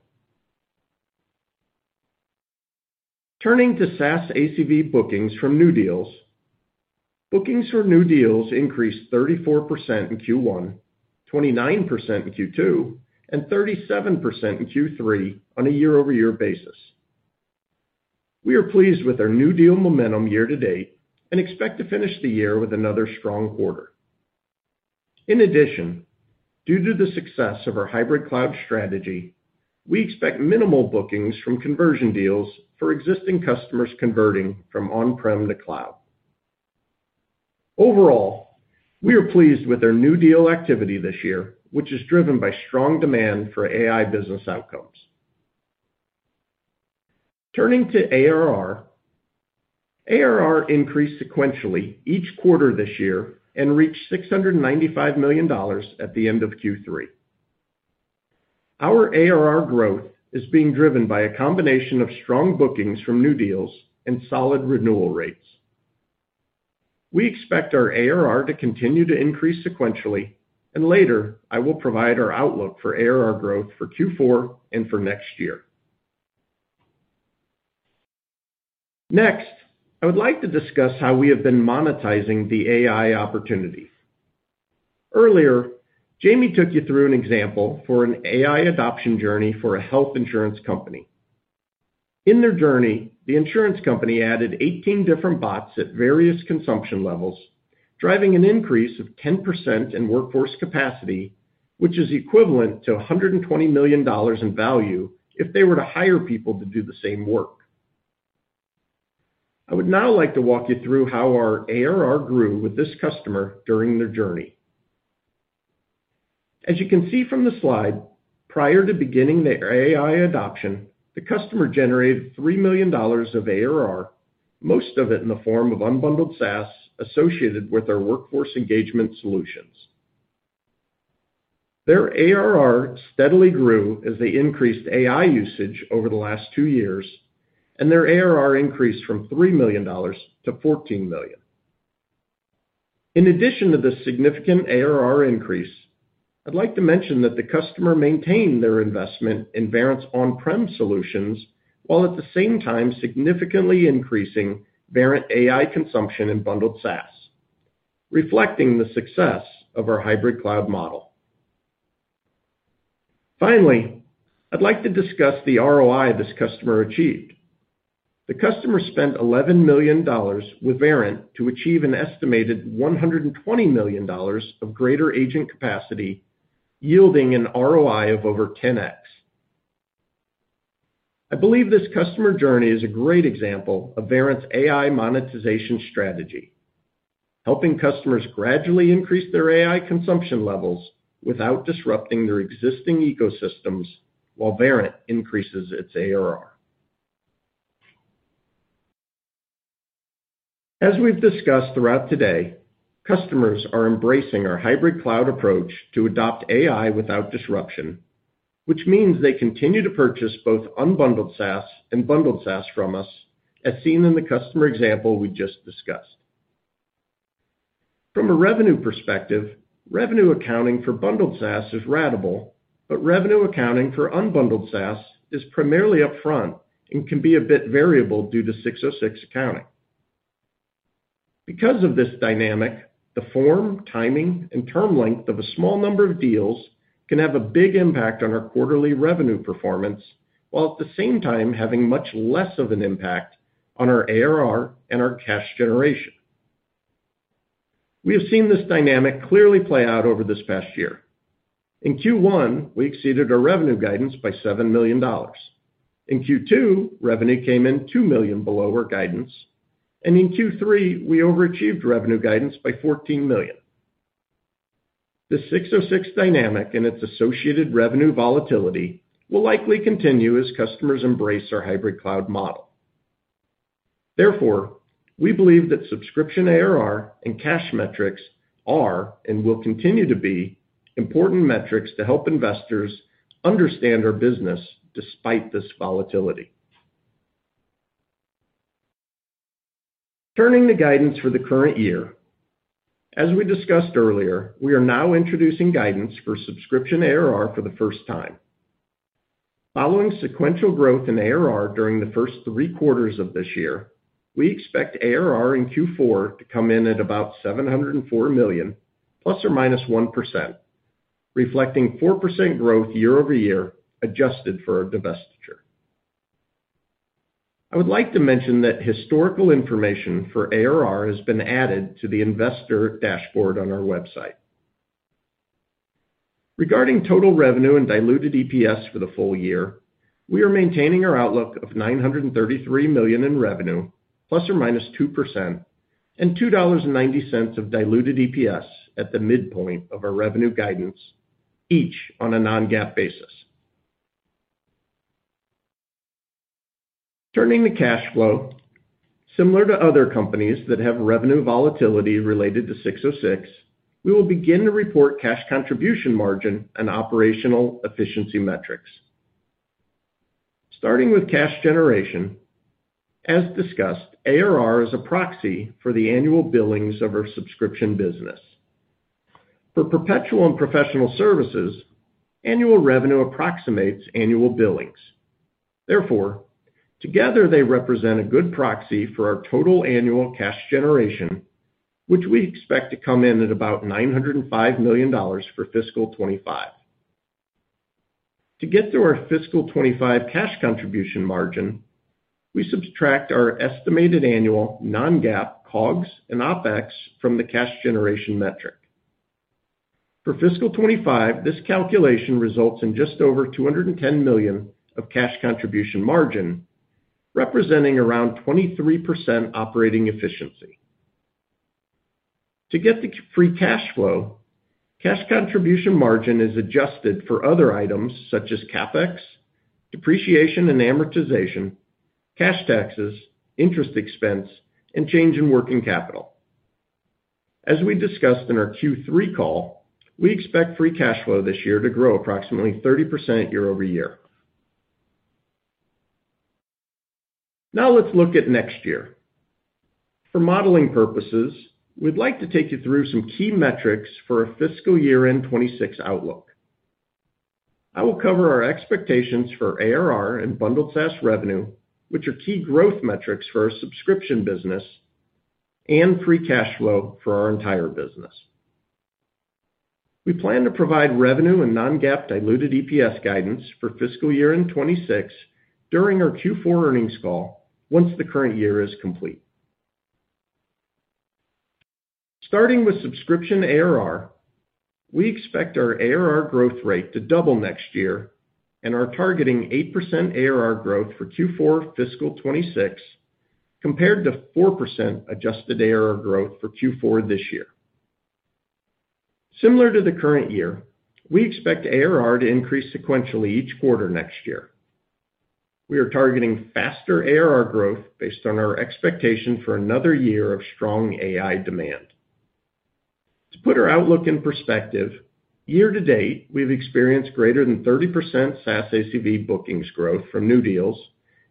Turning to SaaS ACV bookings from new deals, bookings for new deals increased 34% in Q1, 29% in Q2, and 37% in Q3 on a year-over-year basis. We are pleased with our new deal momentum year to date and expect to finish the year with another strong quarter. In addition, due to the success of our hybrid cloud strategy, we expect minimal bookings from conversion deals for existing customers converting from on-prem to cloud. Overall, we are pleased with our new deal activity this year, which is driven by strong demand for AI business outcomes. Turning to ARR, ARR increased sequentially each quarter this year and reached $695 million at the end of Q3. Our ARR growth is being driven by a combination of strong bookings from new deals and solid renewal rates. We expect our ARR to continue to increase sequentially, and later, I will provide our outlook for ARR growth for Q4 and for next year. Next, I would like to discuss how we have been monetizing the AI opportunity. Earlier, Jaime took you through an example for an AI adoption journey for a health insurance company. In their journey, the insurance company added 18 different bots at various consumption levels, driving an increase of 10% in workforce capacity, which is equivalent to $120 million in value if they were to hire people to do the same work. I would now like to walk you through how our ARR grew with this customer during their journey. As you can see from the slide, prior to beginning the AI adoption, the customer generated $3 million of ARR, most of it in the form of unbundled SaaS associated with our workforce engagement solutions. Their ARR steadily grew as they increased AI usage over the last two years, and their ARR increased from $3 million to $14 million. In addition to the significant ARR increase, I'd like to mention that the customer maintained their investment in Verint's on-prem solutions while at the same time significantly increasing Verint AI consumption in bundled SaaS, reflecting the success of our hybrid cloud model. Finally, I'd like to discuss the ROI this customer achieved. The customer spent $11 million with Verint to achieve an estimated $120 million of greater agent capacity, yielding an ROI of over 10x. I believe this customer journey is a great example of Verint's AI monetization strategy, helping customers gradually increase their AI consumption levels without disrupting their existing ecosystems while Verint increases its ARR. As we've discussed throughout today, customers are embracing our hybrid cloud approach to adopt AI without disruption, which means they continue to purchase both unbundled SaaS and bundled SaaS from us, as seen in the customer example we just discussed. From a revenue perspective, revenue accounting for bundled SaaS is ratable, but revenue accounting for unbundled SaaS is primarily upfront and can be a bit variable due to 606 accounting. Because of this dynamic, the form, timing, and term length of a small number of deals can have a big impact on our quarterly revenue performance while at the same time having much less of an impact on our ARR and our cash generation. We have seen this dynamic clearly play out over this past year. In Q1, we exceeded our revenue guidance by $7 million. In Q2, revenue came in $2 million below our guidance, and in Q3, we overachieved revenue guidance by $14 million. The 606 dynamic and its associated revenue volatility will likely continue as customers embrace our hybrid cloud model. Therefore, we believe that subscription ARR and cash metrics are and will continue to be important metrics to help investors understand our business despite this volatility. Turning to guidance for the current year, as we discussed earlier, we are now introducing guidance for subscription ARR for the first time. Following sequential growth in ARR during the first three quarters of this year, we expect ARR in Q4 to come in at about $704 million, plus or minus 1%, reflecting 4% growth year-over-year adjusted for our divestiture. I would like to mention that historical information for ARR has been added to the investor dashboard on our website. Regarding total revenue and diluted EPS for the full year, we are maintaining our outlook of $933 million in revenue, plus or minus 2%, and $2.90 of diluted EPS at the midpoint of our revenue guidance, each on a non-GAAP basis. Turning to cash flow, similar to other companies that have revenue volatility related to 606, we will begin to report cash contribution margin and operational efficiency metrics. Starting with cash generation, as discussed, ARR is a proxy for the annual billings of our subscription business. For perpetual and professional services, annual revenue approximates annual billings. Therefore, together, they represent a good proxy for our total annual cash generation, which we expect to come in at about $905 million for fiscal 2025. To get through our fiscal 2025 cash contribution margin, we subtract our estimated annual non-GAAP COGS and OPEX from the cash generation metric. For fiscal 2025, this calculation results in just over $210 million of cash contribution margin, representing around 23% operating efficiency. To get the free cash flow, cash contribution margin is adjusted for other items such as CapEx, depreciation and amortization, cash taxes, interest expense, and change in working capital. As we discussed in our Q3 call, we expect free cash flow this year to grow approximately 30% year-over-year. Now let's look at next year. For modeling purposes, we'd like to take you through some key metrics for a fiscal year 2026 outlook. I will cover our expectations for ARR and bundled SaaS revenue, which are key growth metrics for our subscription business, and free cash flow for our entire business. We plan to provide revenue and non-GAAP diluted EPS guidance for fiscal year 2026 during our Q4 earnings call once the current year is complete. Starting with subscription ARR, we expect our ARR growth rate to double next year, and our targeting 8% ARR growth for Q4 fiscal 2026 compared to 4% adjusted ARR growth for Q4 this year. Similar to the current year, we expect ARR to increase sequentially each quarter next year. We are targeting faster ARR growth based on our expectation for another year of strong AI demand. To put our outlook in perspective, year to date, we've experienced greater than 30% SaaS ACV bookings growth from new deals,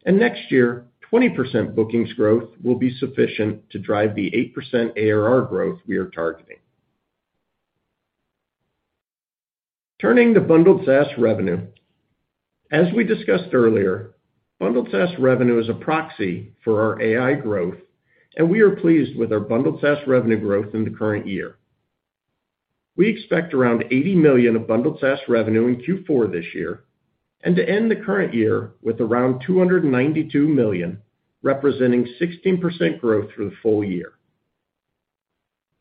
and next year, 20% bookings growth will be sufficient to drive the 8% ARR growth we are targeting. Turning to bundled SaaS revenue, as we discussed earlier, bundled SaaS revenue is a proxy for our AI growth, and we are pleased with our bundled SaaS revenue growth in the current year. We expect around $80 million of bundled SaaS revenue in Q4 this year and to end the current year with around $292 million, representing 16% growth for the full year.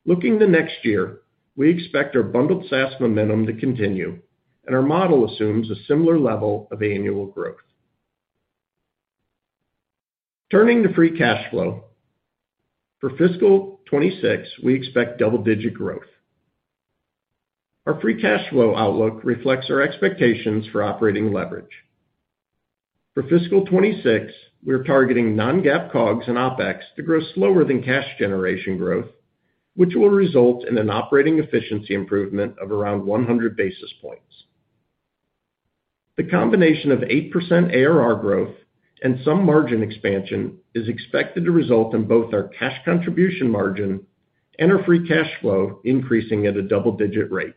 Looking to next year, we expect our bundled SaaS momentum to continue, and our model assumes a similar level of annual growth. Turning to free cash flow, for fiscal 2026, we expect double-digit growth. Our free cash flow outlook reflects our expectations for operating leverage. For fiscal 2026, we're targeting non-GAAP COGS and OPEX to grow slower than cash generation growth, which will result in an operating efficiency improvement of around 100 basis points. The combination of 8% ARR growth and some margin expansion is expected to result in both our cash contribution margin and our free cash flow increasing at a double-digit rate.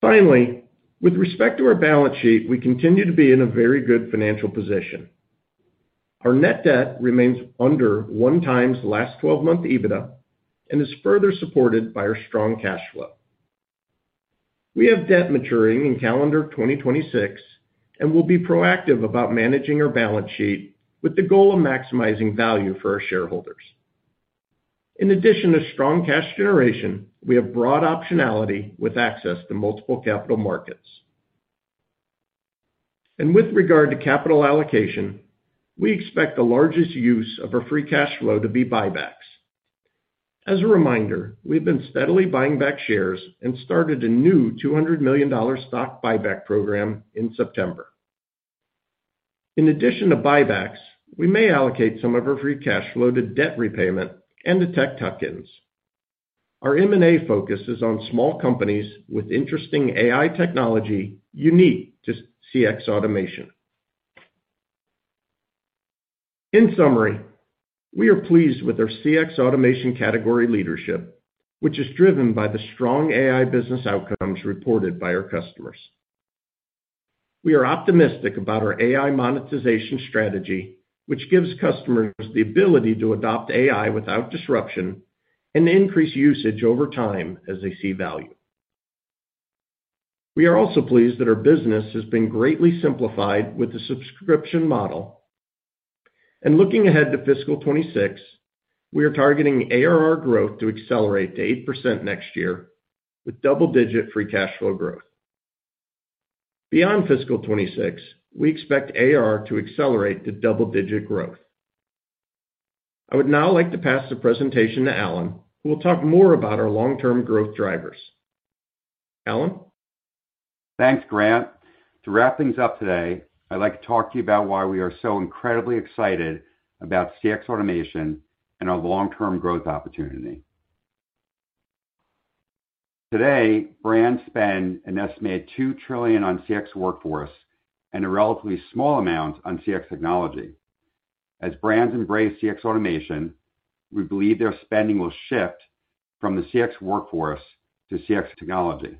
Finally, with respect to our balance sheet, we continue to be in a very good financial position. Our net debt remains under one times last 12-month EBITDA and is further supported by our strong cash flow. We have debt maturing in calendar 2026 and will be proactive about managing our balance sheet with the goal of maximizing value for our shareholders. In addition to strong cash generation, we have broad optionality with access to multiple capital markets. And with regard to capital allocation, we expect the largest use of our free cash flow to be buybacks. As a reminder, we've been steadily buying back shares and started a new $200 million stock buyback program in September. In addition to buybacks, we may allocate some of our free cash flow to debt repayment and to tech tuck-ins. Our M&A focus is on small companies with interesting AI technology unique to CX automation. In summary, we are pleased with our CX automation category leadership, which is driven by the strong AI business outcomes reported by our customers. We are optimistic about our AI monetization strategy, which gives customers the ability to adopt AI without disruption and increase usage over time as they see value. We are also pleased that our business has been greatly simplified with the subscription model. And looking ahead to fiscal 2026, we are targeting ARR growth to accelerate to 8% next year with double-digit free cash flow growth. Beyond fiscal 2026, we expect ARR to accelerate to double-digit growth. I would now like to pass the presentation to Alan, who will talk more about our long-term growth drivers. Alan? Thanks, Grant. To wrap things up today, I'd like to talk to you about why we are so incredibly excited about CX automation and our long-term growth opportunity. Today, brands spend an estimated $2 trillion on CX workforce and a relatively small amount on CX technology. As brands embrace CX automation, we believe their spending will shift from the CX workforce to CX technology.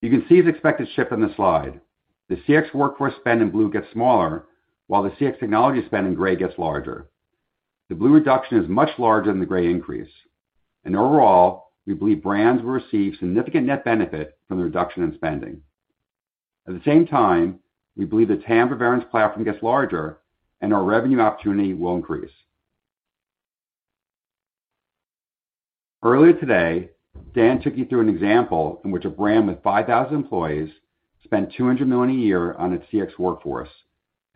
You can see the expected shift on the slide. The CX workforce spend in blue gets smaller, while the CX technology spend in gray gets larger. The blue reduction is much larger than the gray increase, and overall, we believe brands will receive significant net benefit from the reduction in spending. At the same time, we believe the TAM for Verint's platform gets larger and our revenue opportunity will increase. Earlier today, Dan took you through an example in which a brand with 5,000 employees spent $200 million a year on its CX workforce,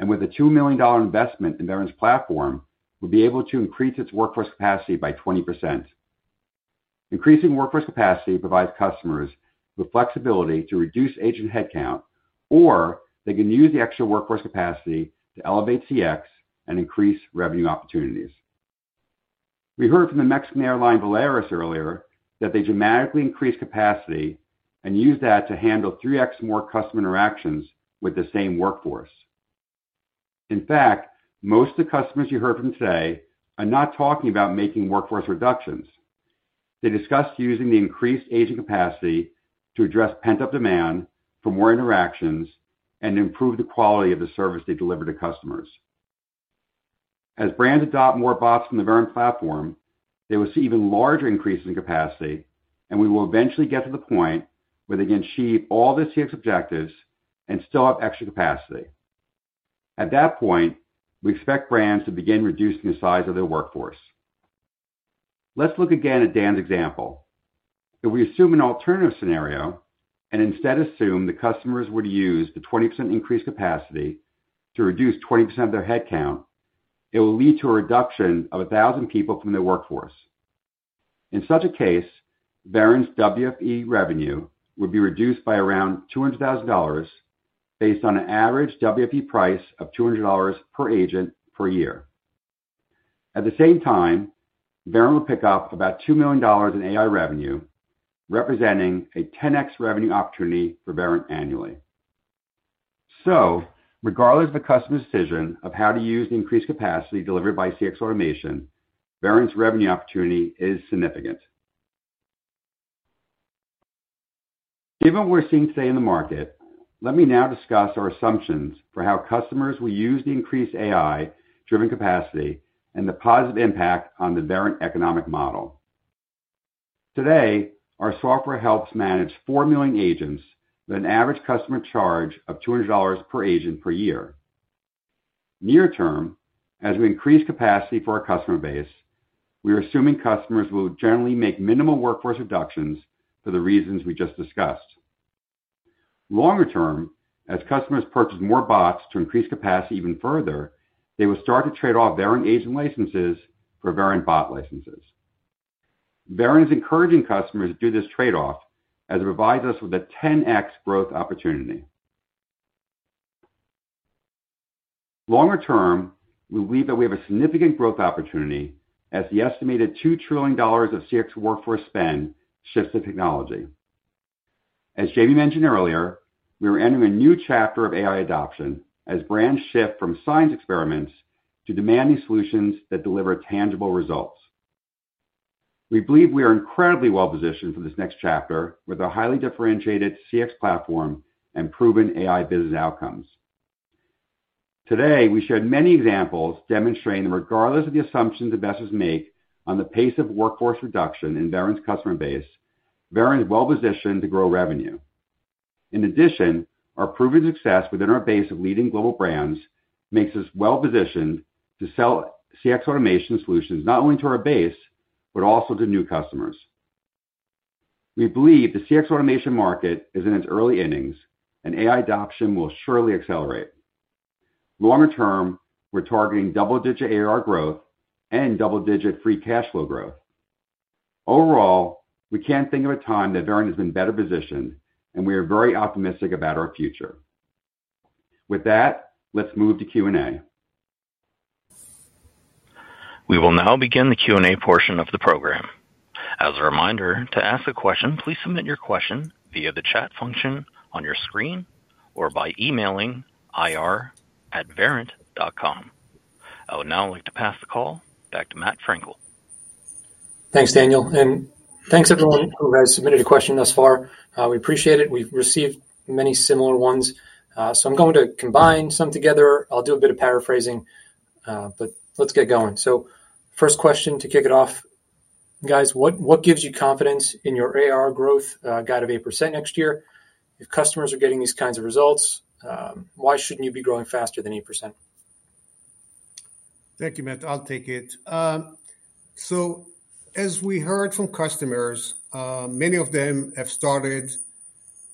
and with a $2 million investment in Verint's platform, would be able to increase its workforce capacity by 20%. Increasing workforce capacity provides customers with flexibility to reduce agent headcount, or they can use the extra workforce capacity to elevate CX and increase revenue opportunities. We heard from the Mexican airline Volaris earlier that they dramatically increased capacity and used that to handle 3x more customer interactions with the same workforce. In fact, most of the customers you heard from today are not talking about making workforce reductions. They discussed using the increased agent capacity to address pent-up demand for more interactions and improve the quality of the service they deliver to customers. As brands adopt more bots from the Verint platform, they will see even larger increases in capacity, and we will eventually get to the point where they can achieve all the CX objectives and still have extra capacity. At that point, we expect brands to begin reducing the size of their workforce. Let's look again at Dan's example. If we assume an alternative scenario and instead assume the customers would use the 20% increased capacity to reduce 20% of their headcount, it will lead to a reduction of 1,000 people from their workforce. In such a case, Verint's WFE revenue would be reduced by around $200,000 based on an average WFE price of $200 per agent per year. At the same time, Verint will pick up about $2 million in AI revenue, representing a 10x revenue opportunity for Verint annually. Regardless of the customer's decision of how to use the increased capacity delivered by CX automation, Verint's revenue opportunity is significant. Given what we're seeing today in the market, let me now discuss our assumptions for how customers will use the increased AI-driven capacity and the positive impact on the Verint economic model. Today, our software helps manage 4 million agents with an average customer charge of $200 per agent per year. Near term, as we increase capacity for our customer base, we are assuming customers will generally make minimal workforce reductions for the reasons we just discussed. Longer term, as customers purchase more bots to increase capacity even further, they will start to trade off Verint agent licenses for Verint bot licenses. Verint is encouraging customers to do this trade-off as it provides us with a 10x growth opportunity. Longer term, we believe that we have a significant growth opportunity as the estimated $2 trillion of CX workforce spend shifts to technology. As Jaime mentioned earlier, we are entering a new chapter of AI adoption as brands shift from science experiments to demanding solutions that deliver tangible results. We believe we are incredibly well-positioned for this next chapter with a highly differentiated CX platform and proven AI business outcomes. Today, we shared many examples demonstrating that regardless of the assumptions investors make on the pace of workforce reduction in Verint's customer base, Verint is well-positioned to grow revenue. In addition, our proven success within our base of leading global brands makes us well-positioned to sell CX automation solutions not only to our base, but also to new customers. We believe the CX automation market is in its early innings, and AI adoption will surely accelerate. Longer term, we're targeting double-digit ARR growth and double-digit free cash flow growth. Overall, we can't think of a time that Verint has been better positioned, and we are very optimistic about our future. With that, let's move to Q&A. We will now begin the Q&A portion of the program. As a reminder, to ask a question, please submit your question via the chat function on your screen or by emailing ir@verint.com. I would now like to pass the call back to Matt Frankel. Thanks, Daniel. And thanks, everyone who has submitted a question thus far. We appreciate it. We've received many similar ones. So I'm going to combine some together. I'll do a bit of paraphrasing, but let's get going. So first question to kick it off, guys, what gives you confidence in your ARR growth guidance of 8% next year? If customers are getting these kinds of results, why shouldn't you be growing faster than 8%? Thank you, Matt. I'll take it. So as we heard from customers, many of them have started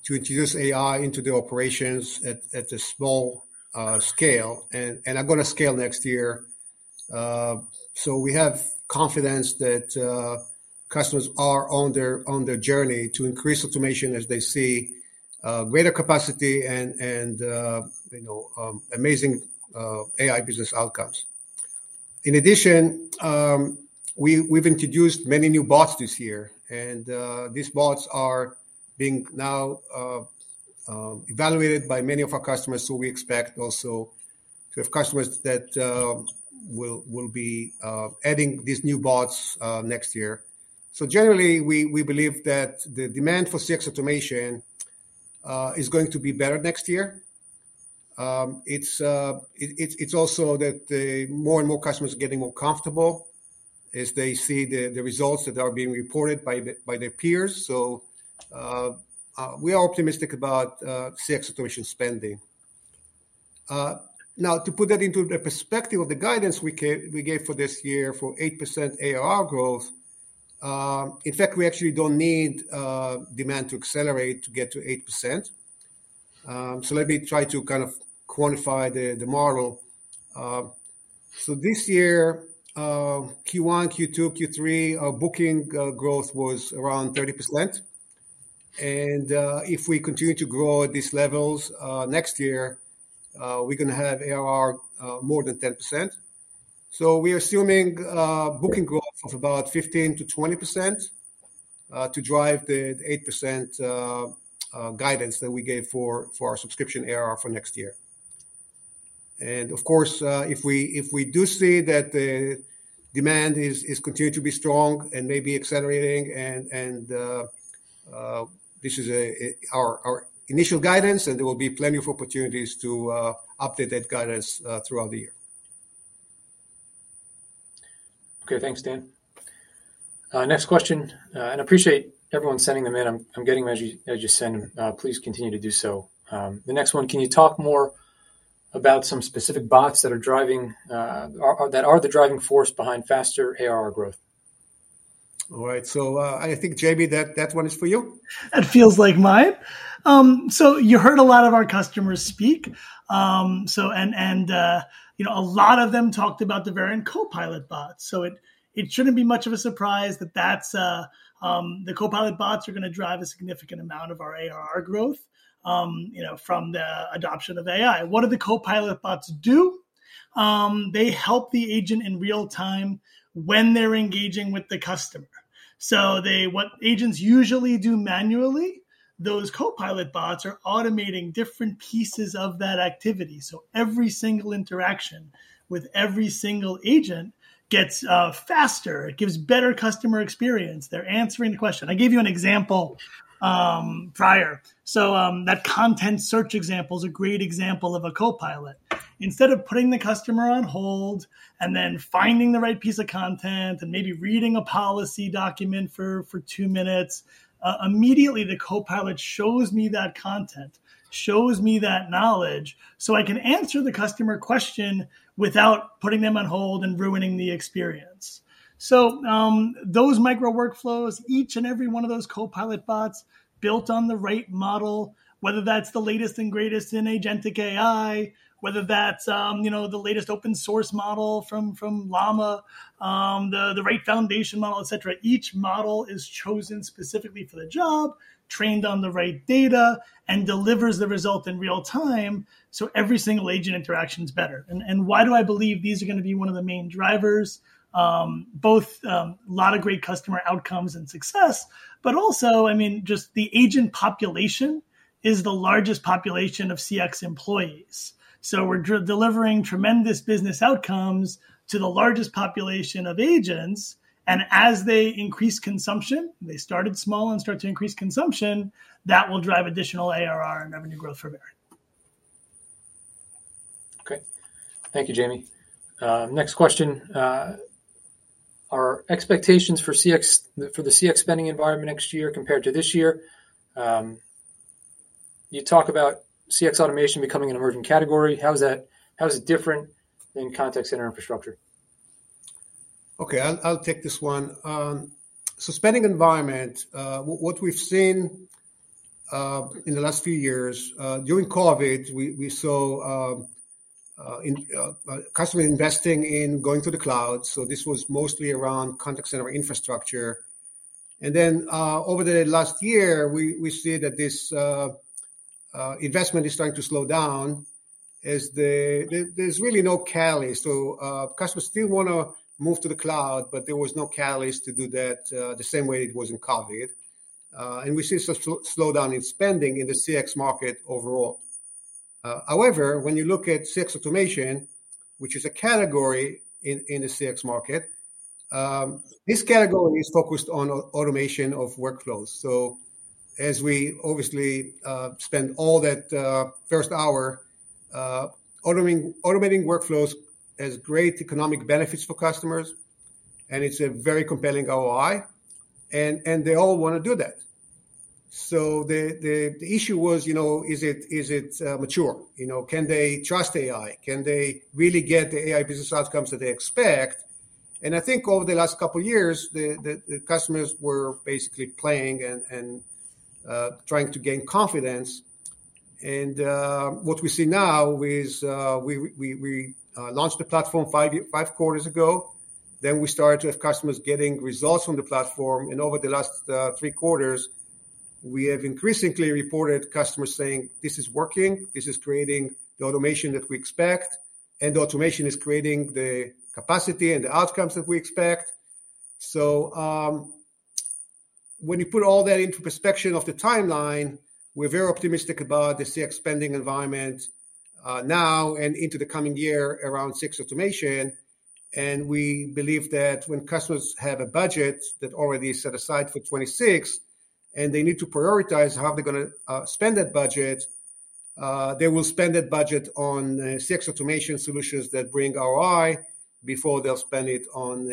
to introduce AI into their operations at a small scale, and they're going to scale next year. So we have confidence that customers are on their journey to increase automation as they see greater capacity and amazing AI business outcomes. In addition, we've introduced many new bots this year, and these bots are being now evaluated by many of our customers. So we expect also to have customers that will be adding these new bots next year. So generally, we believe that the demand for CX automation is going to be better next year. It's also that more and more customers are getting more comfortable as they see the results that are being reported by their peers. We are optimistic about CX automation spending. Now, to put that into the perspective of the guidance we gave for this year for 8% ARR growth, in fact, we actually don't need demand to accelerate to get to 8%. Let me try to kind of quantify the model. This year, Q1, Q2, Q3, our booking growth was around 30%. And if we continue to grow at these levels next year, we're going to have ARR more than 10%. We are assuming booking growth of about 15%-20% to drive the 8% guidance that we gave for our subscription ARR for next year. And of course, if we do see that the demand is continuing to be strong and maybe accelerating, and this is our initial guidance, then there will be plenty of opportunities to update that guidance throughout the year. Okay, thanks, Dan. Next question. I appreciate everyone sending them in. I'm getting them as you send them. Please continue to do so. The next one, can you talk more about some specific bots that are the driving force behind faster ARR growth? All right. I think, Jaime, that one is for you. That feels like mine. You heard a lot of our customers speak. A lot of them talked about the Verint Copilot bots. It shouldn't be much of a surprise that the Copilot bots are going to drive a significant amount of our ARR growth from the adoption of AI. What do the Copilot bots do? They help the agent in real time when they're engaging with the customer. What agents usually do manually, those Copilot bots are automating different pieces of that activity. Every single interaction with every single agent gets faster. It gives better customer experience. They're answering the question. I gave you an example prior. So that content search example is a great example of a Copilot. Instead of putting the customer on hold and then finding the right piece of content and maybe reading a policy document for two minutes, immediately the Copilot shows me that content, shows me that knowledge so I can answer the customer question without putting them on hold and ruining the experience. So those micro workflows, each and every one of those Copilot bots built on the right model, whether that's the latest and greatest in agentic AI, whether that's the latest open-source model from Llama, the right foundation model, et cetera, each model is chosen specifically for the job, trained on the right data, and delivers the result in real time so every single agent interaction is better. And why do I believe these are going to be one of the main drivers? Both a lot of great customer outcomes and success, but also, I mean, just the agent population is the largest population of CX employees. So we're delivering tremendous business outcomes to the largest population of agents. And as they increase consumption, they started small and start to increase consumption, that will drive additional ARR and revenue growth for Verint. Okay. Thank you, Jaime. Next question. Our expectations for the CX spending environment next year compared to this year. You talk about CX automation becoming an emerging category. How is it different than contact center infrastructure? Okay, I'll take this one. So spending environment, what we've seen in the last few years, during COVID, we saw customers investing in going to the cloud. So this was mostly around contact center infrastructure. And then over the last year, we see that this investment is starting to slow down as there's really no catalyst. So customers still want to move to the cloud, but there was no catalyst to do that the same way it was in COVID. And we see such a slowdown in spending in the CX market overall. However, when you look at CX automation, which is a category in the CX market, this category is focused on automation of workflows. So as we obviously spent the first hour, automating workflows has great economic benefits for customers, and it's a very compelling ROI, and they all want to do that. So the issue was, is it mature? Can they trust AI? Can they really get the AI business outcomes that they expect? And I think over the last couple of years, the customers were basically playing and trying to gain confidence. And what we see now is we launched the platform five quarters ago. Then we started to have customers getting results from the platform. And over the last three quarters, we have increasingly reported customers saying, "This is working. This is creating the automation that we expect." And the automation is creating the capacity and the outcomes that we expect. So when you put all that into perspective of the timeline, we're very optimistic about the CX spending environment now and into the coming year around CX automation. We believe that when customers have a budget that already is set aside for 2026 and they need to prioritize how they're going to spend that budget, they will spend that budget on CX automation solutions that bring ROI before they'll spend it on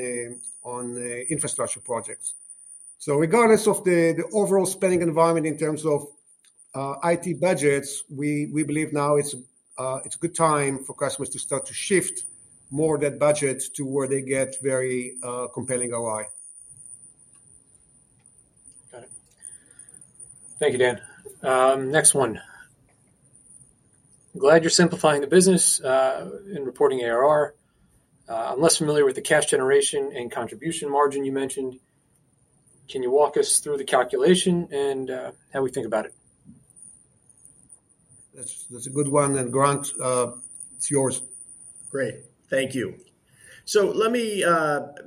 infrastructure projects. So regardless of the overall spending environment in terms of IT budgets, we believe now it's a good time for customers to start to shift more of that budget to where they get very compelling ROI. Got it. Thank you, Dan. Next one. Glad you're simplifying the business in reporting ARR. I'm less familiar with the cash generation and contribution margin you mentioned. Can you walk us through the calculation and how we think about it? That's a good one. And Grant, it's yours. Great. Thank you. So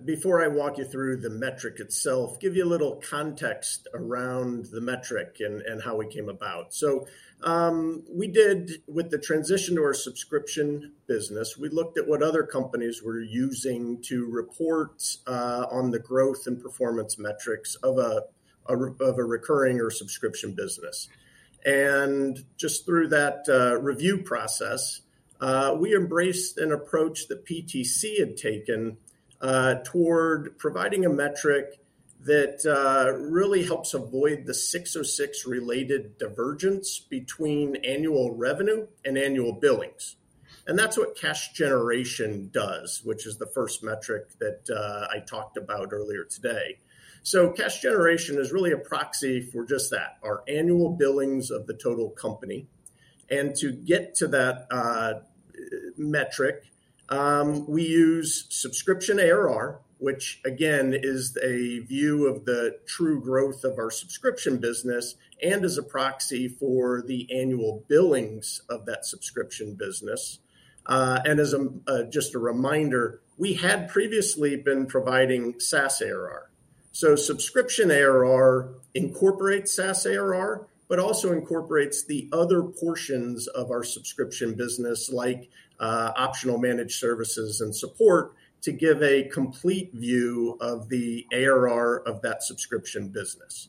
before I walk you through the metric itself, give you a little context around the metric and how it came about. So with the transition to our subscription business, we looked at what other companies were using to report on the growth and performance metrics of a recurring or subscription business. And just through that review process, we embraced an approach that PTC had taken toward providing a metric that really helps avoid the 606-related divergence between annual revenue and annual billings. And that's what cash generation does, which is the first metric that I talked about earlier today. So cash generation is really a proxy for just that, our annual billings of the total company. To get to that metric, we use subscription ARR, which, again, is a view of the true growth of our subscription business and is a proxy for the annual billings of that subscription business. As just a reminder, we had previously been providing SaaS ARR. Subscription ARR incorporates SaaS ARR, but also incorporates the other portions of our subscription business, like optional managed services and support, to give a complete view of the ARR of that subscription business.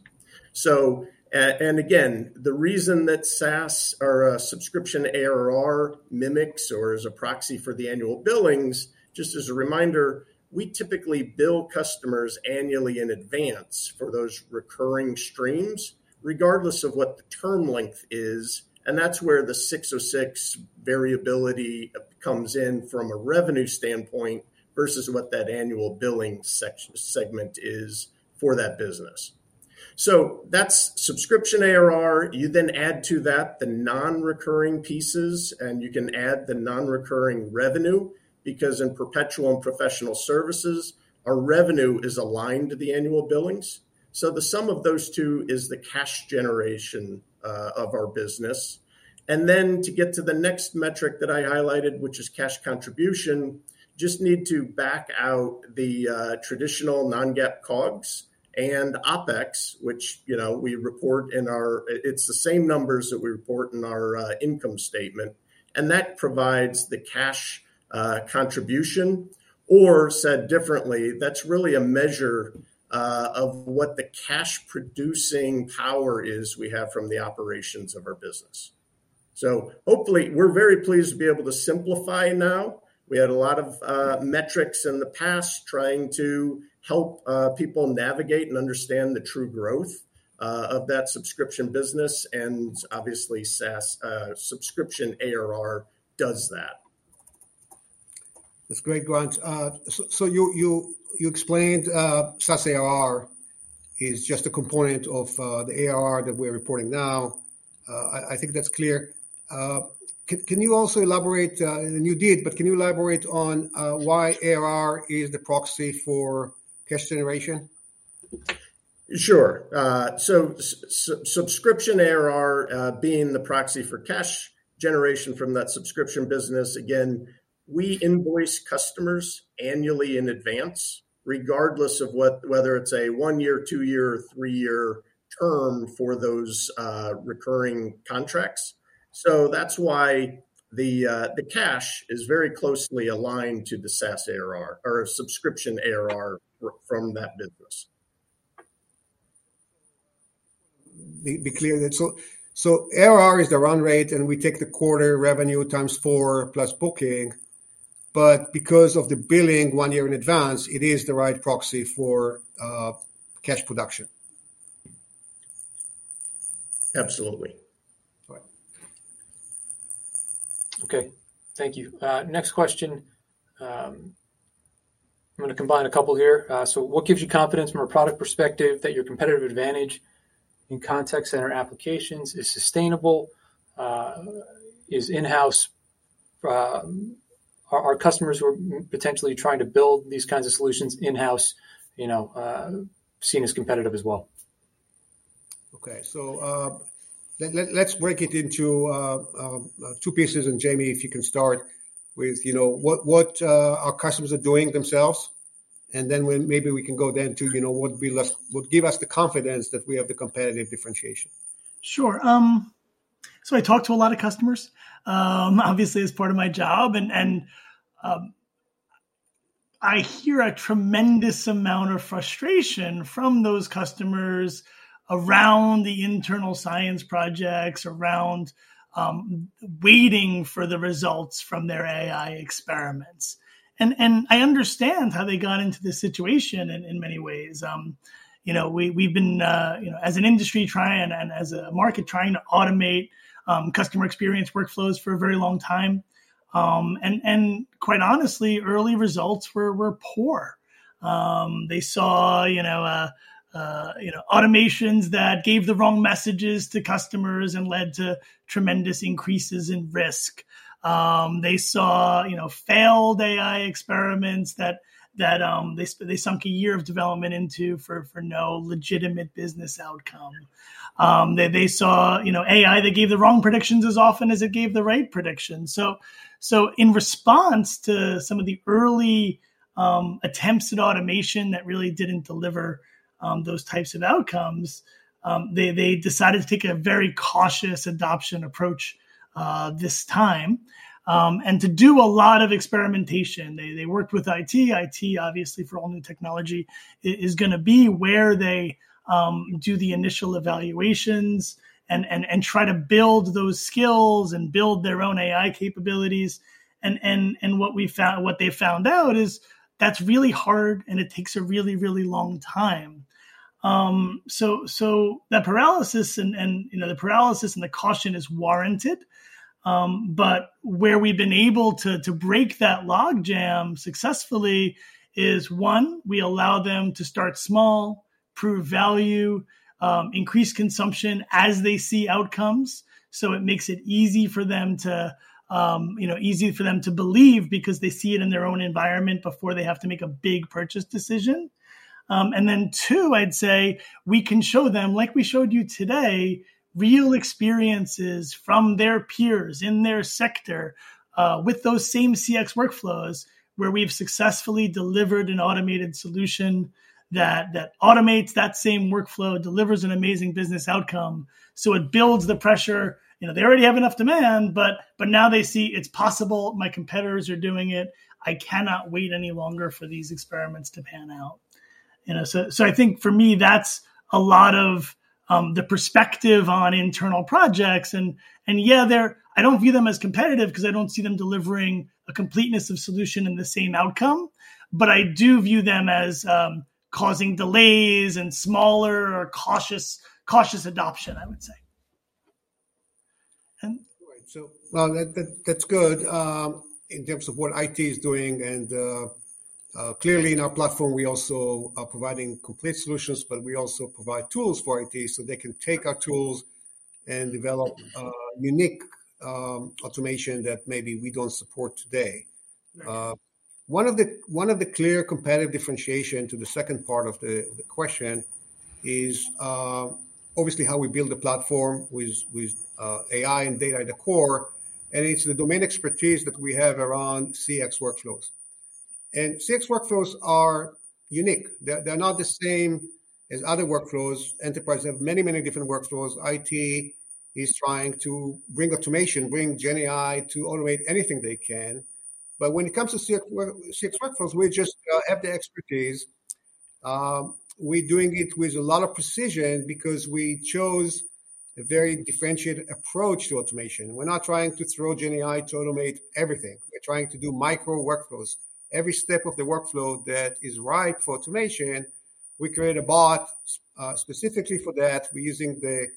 Again, the reason that SaaS or subscription ARR mimics or is a proxy for the annual billings, just as a reminder, we typically bill customers annually in advance for those recurring streams, regardless of what the term length is. That's where the 606 variability comes in from a revenue standpoint versus what that annual billing segment is for that business. That's subscription ARR. You then add to that the non-recurring pieces, and you can add the non-recurring revenue because in perpetual and professional services, our revenue is aligned to the annual billings. So the sum of those two is the cash generation of our business. And then to get to the next metric that I highlighted, which is cash contribution, just need to back out the traditional non-GAAP COGS and OpEx, which we report in our. It's the same numbers that we report in our income statement. And that provides the cash contribution. Or said differently, that's really a measure of what the cash producing power is we have from the operations of our business. So hopefully, we're very pleased to be able to simplify now. We had a lot of metrics in the past trying to help people navigate and understand the true growth of that subscription business. And obviously, SaaS subscription ARR does that. That's great, Grant. So you explained SaaS ARR is just a component of the ARR that we're reporting now. I think that's clear. Can you also elaborate? And you did, but can you elaborate on why ARR is the proxy for cash generation? Sure. So subscription ARR being the proxy for cash generation from that subscription business, again, we invoice customers annually in advance, regardless of whether it's a one-year, two-year, or three-year term for those recurring contracts. So that's why the cash is very closely aligned to the SaaS ARR or subscription ARR from that business. Be clear there. So ARR is the run rate, and we take the quarter revenue times four plus booking. But because of the billing one year in advance, it is the right proxy for cash production. Absolutely. All right. Okay. Thank you. Next question. I'm going to combine a couple here. So what gives you confidence from a product perspective that your competitive advantage in contact center applications is sustainable? Are customers who are potentially trying to build these kinds of solutions in-house seen as competitive as well? Okay. So let's break it into two pieces. And Jaime, if you can start with what our customers are doing themselves. And then maybe we can go then to what gives us the confidence that we have the competitive differentiation. Sure. So I talk to a lot of customers, obviously, as part of my job. And I hear a tremendous amount of frustration from those customers around the internal science projects, around waiting for the results from their AI experiments. And I understand how they got into this situation in many ways. We've been, as an industry and as a market, trying to automate customer experience workflows for a very long time, and quite honestly, early results were poor. They saw automations that gave the wrong messages to customers and led to tremendous increases in risk. They saw failed AI experiments that they sunk a year of development into for no legitimate business outcome, so in response to some of the early attempts at automation that really didn't deliver those types of outcomes, they decided to take a very cautious adoption approach this time and to do a lot of experimentation. They worked with IT. IT, obviously, for all new technology is going to be where they do the initial evaluations and try to build those skills and build their own AI capabilities. What they found out is that's really hard, and it takes a really, really long time. The paralysis and the caution is warranted. Where we've been able to break that log jam successfully is, one, we allow them to start small, prove value, increase consumption as they see outcomes. It makes it easy for them to believe because they see it in their own environment before they have to make a big purchase decision. Then, two, I'd say we can show them, like we showed you today, real experiences from their peers in their sector with those same CX workflows where we've successfully delivered an automated solution that automates that same workflow, delivers an amazing business outcome. It builds the pressure. They already have enough demand, but now they see it's possible. My competitors are doing it. I cannot wait any longer for these experiments to pan out. So I think for me, that's a lot of the perspective on internal projects. And yeah, I don't view them as competitive because I don't see them delivering a completeness of solution and the same outcome. But I do view them as causing delays and smaller or cautious adoption, I would say. Right. So that's good in terms of what IT is doing. And clearly, in our platform, we also are providing complete solutions, but we also provide tools for IT so they can take our tools and develop unique automation that maybe we don't support today. One of the clear competitive differentiations to the second part of the question is, obviously, how we build the platform with AI and data at the core. And it's the domain expertise that we have around CX workflows. CX workflows are unique. They're not the same as other workflows. Enterprises have many, many different workflows. IT is trying to bring automation, bring GenAI to automate anything they can. But when it comes to CX workflows, we just have the expertise. We're doing it with a lot of precision because we chose a very differentiated approach to automation. We're not trying to throw GenAI to automate everything. We're trying to do micro workflows. Every step of the workflow that is right for automation, we create a bot specifically for that. We're using the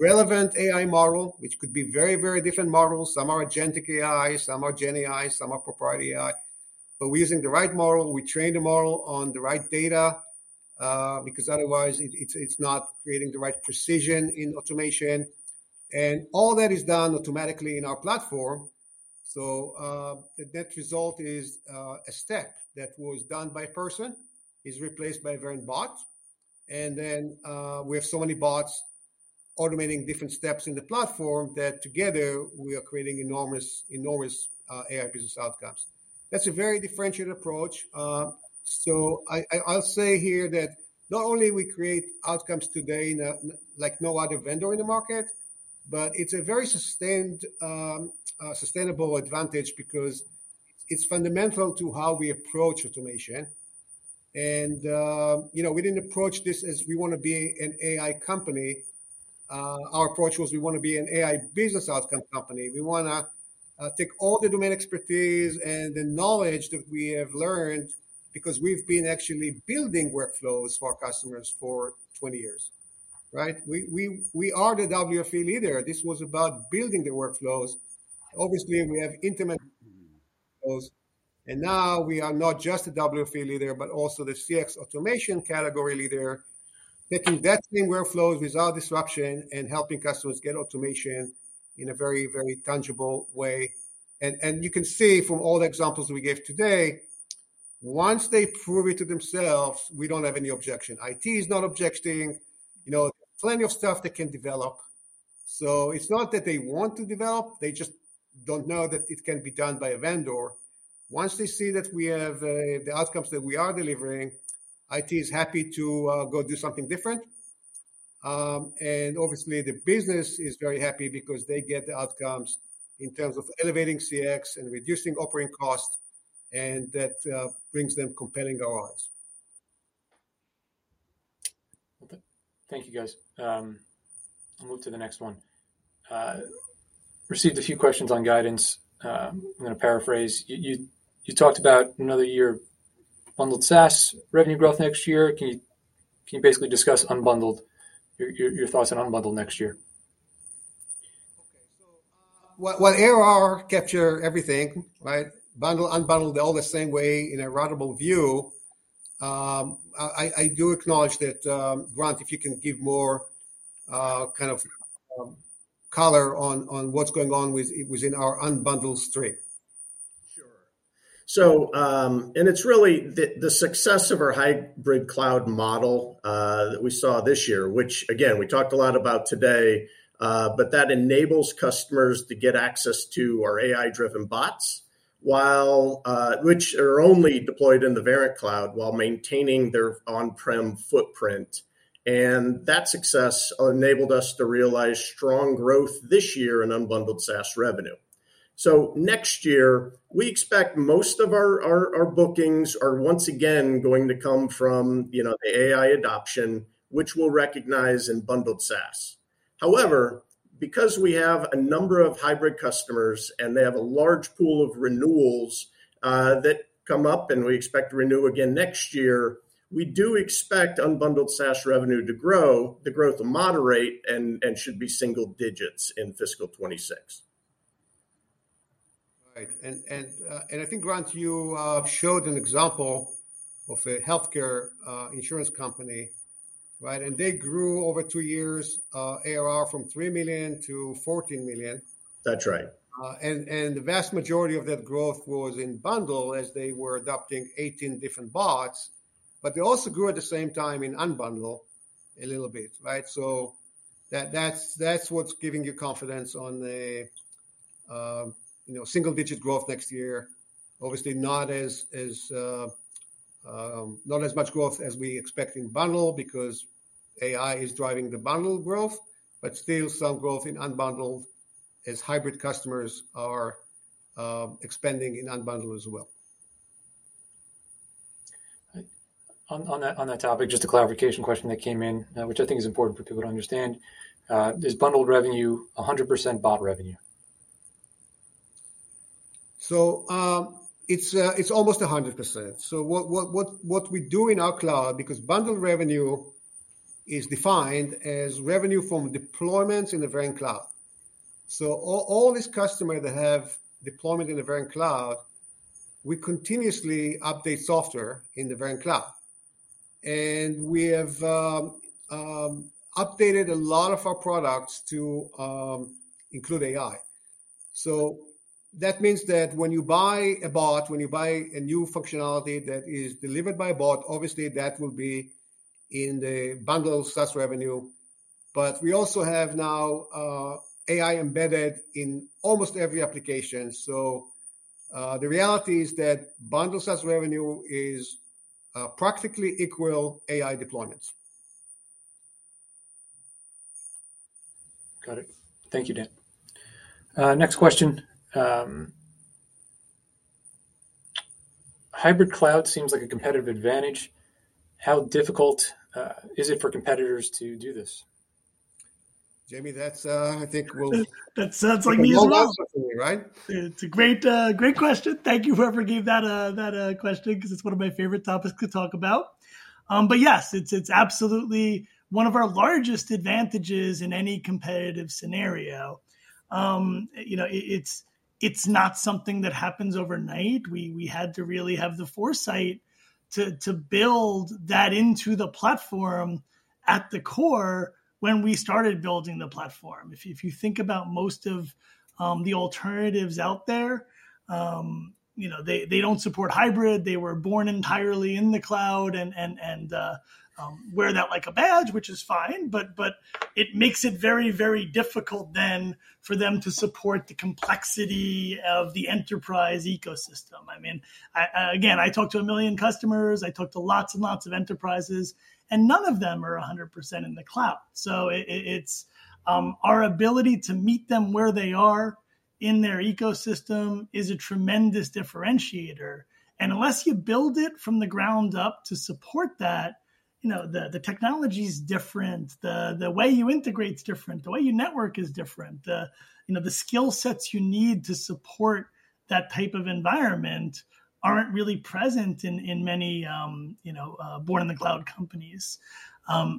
relevant AI model, which could be very, very different models. Some are agentic AI, some are GenAI, some are proprietary AI. But we're using the right model. We train the model on the right data because otherwise, it's not creating the right precision in automation. And all that is done automatically in our platform. So that result is a step that was done by a person, is replaced by a Verint bot. And then we have so many bots automating different steps in the platform that together, we are creating enormous AI business outcomes. That's a very differentiated approach. So I'll say here that not only do we create outcomes today like no other vendor in the market, but it's a very sustainable advantage because it's fundamental to how we approach automation. And we didn't approach this as we want to be an AI company. Our approach was we want to be an AI business outcome company. We want to take all the domain expertise and the knowledge that we have learned because we've been actually building workflows for our customers for 20 years. Right? We are the WFE leader. This was about building the workflows. Obviously, we have intimate workflows. Now we are not just the WFE leader, but also the CX automation category leader, taking that same workflows without disruption and helping customers get automation in a very, very tangible way. You can see from all the examples we gave today, once they prove it to themselves, we don't have any objection. IT is not objecting. There's plenty of stuff they can develop. So it's not that they want to develop. They just don't know that it can be done by a vendor. Once they see that we have the outcomes that we are delivering, IT is happy to go do something different. Obviously, the business is very happy because they get the outcomes in terms of elevating CX and reducing operating costs, and that brings them compelling ROIs. Thank you, guys. I'll move to the next one. Received a few questions on guidance. I'm going to paraphrase. You talked about another year bundled SaaS revenue growth next year. Can you basically discuss your thoughts on unbundled next year? Okay. So while ARR captured everything, right, bundled, unbundled, they're all the same way in a run-rate view. I do acknowledge that, Grant, if you can give more kind of color on what's going on within our unbundled stream. Sure. And it's really the success of our hybrid cloud model that we saw this year, which, again, we talked a lot about today, but that enables customers to get access to our AI-driven bots, which are only deployed in the Verint Cloud while maintaining their on-prem footprint. And that success enabled us to realize strong growth this year in unbundled SaaS revenue. Next year, we expect most of our bookings are once again going to come from the AI adoption, which will recognize and bundled SaaS. However, because we have a number of hybrid customers and they have a large pool of renewals that come up and we expect to renew again next year, we do expect unbundled SaaS revenue to grow, the growth to be moderate, and should be single digits in fiscal 26. Right. And I think, Grant, you showed an example of a healthcare insurance company, right? And they grew over two years, ARR from $3 million to $14 million. That's right. And the vast majority of that growth was in bundled as they were adopting 18 different bots. But they also grew at the same time in unbundled a little bit, right? So that's what's giving you confidence on the single-digit growth next year. Obviously, not as much growth as we expect in bundled because AI is driving the bundled growth, but still some growth in unbundled as hybrid customers are expanding in unbundled as well. On that topic, just a clarification question that came in, which I think is important for people to understand. Is bundled revenue 100% bot revenue? So it's almost 100%. So what we do in our cloud, because bundled revenue is defined as revenue from deployments in the Verint Cloud. So all these customers that have deployment in the Verint Cloud, we continuously update software in the Verint Cloud. And we have updated a lot of our products to include AI. So that means that when you buy a bot, when you buy a new functionality that is delivered by a bot, obviously, that will be in the bundled SaaS revenue. But we also have now AI embedded in almost every application. So the reality is that bundled SaaS revenue is practically equal AI deployments. Got it. Thank you, Dan. Next question. Hybrid cloud seems like a competitive advantage. How difficult is it for competitors to do this? Jaime, that's, I think, will. That sounds like me as well. It's a great question. Thank you for ever giving that question because it's one of my favorite topics to talk about. But yes, it's absolutely one of our largest advantages in any competitive scenario. It's not something that happens overnight. We had to really have the foresight to build that into the platform at the core when we started building the platform. If you think about most of the alternatives out there, they don't support hybrid. They were born entirely in the cloud and wear that like a badge, which is fine. But it makes it very, very difficult then for them to support the complexity of the enterprise ecosystem. I mean, again, I talked to a million customers. I talked to lots and lots of enterprises, and none of them are 100% in the cloud. So our ability to meet them where they are in their ecosystem is a tremendous differentiator. And unless you build it from the ground up to support that, the technology's different. The way you integrate's different. The way you network is different. The skill sets you need to support that type of environment aren't really present in many born-in-the-cloud companies.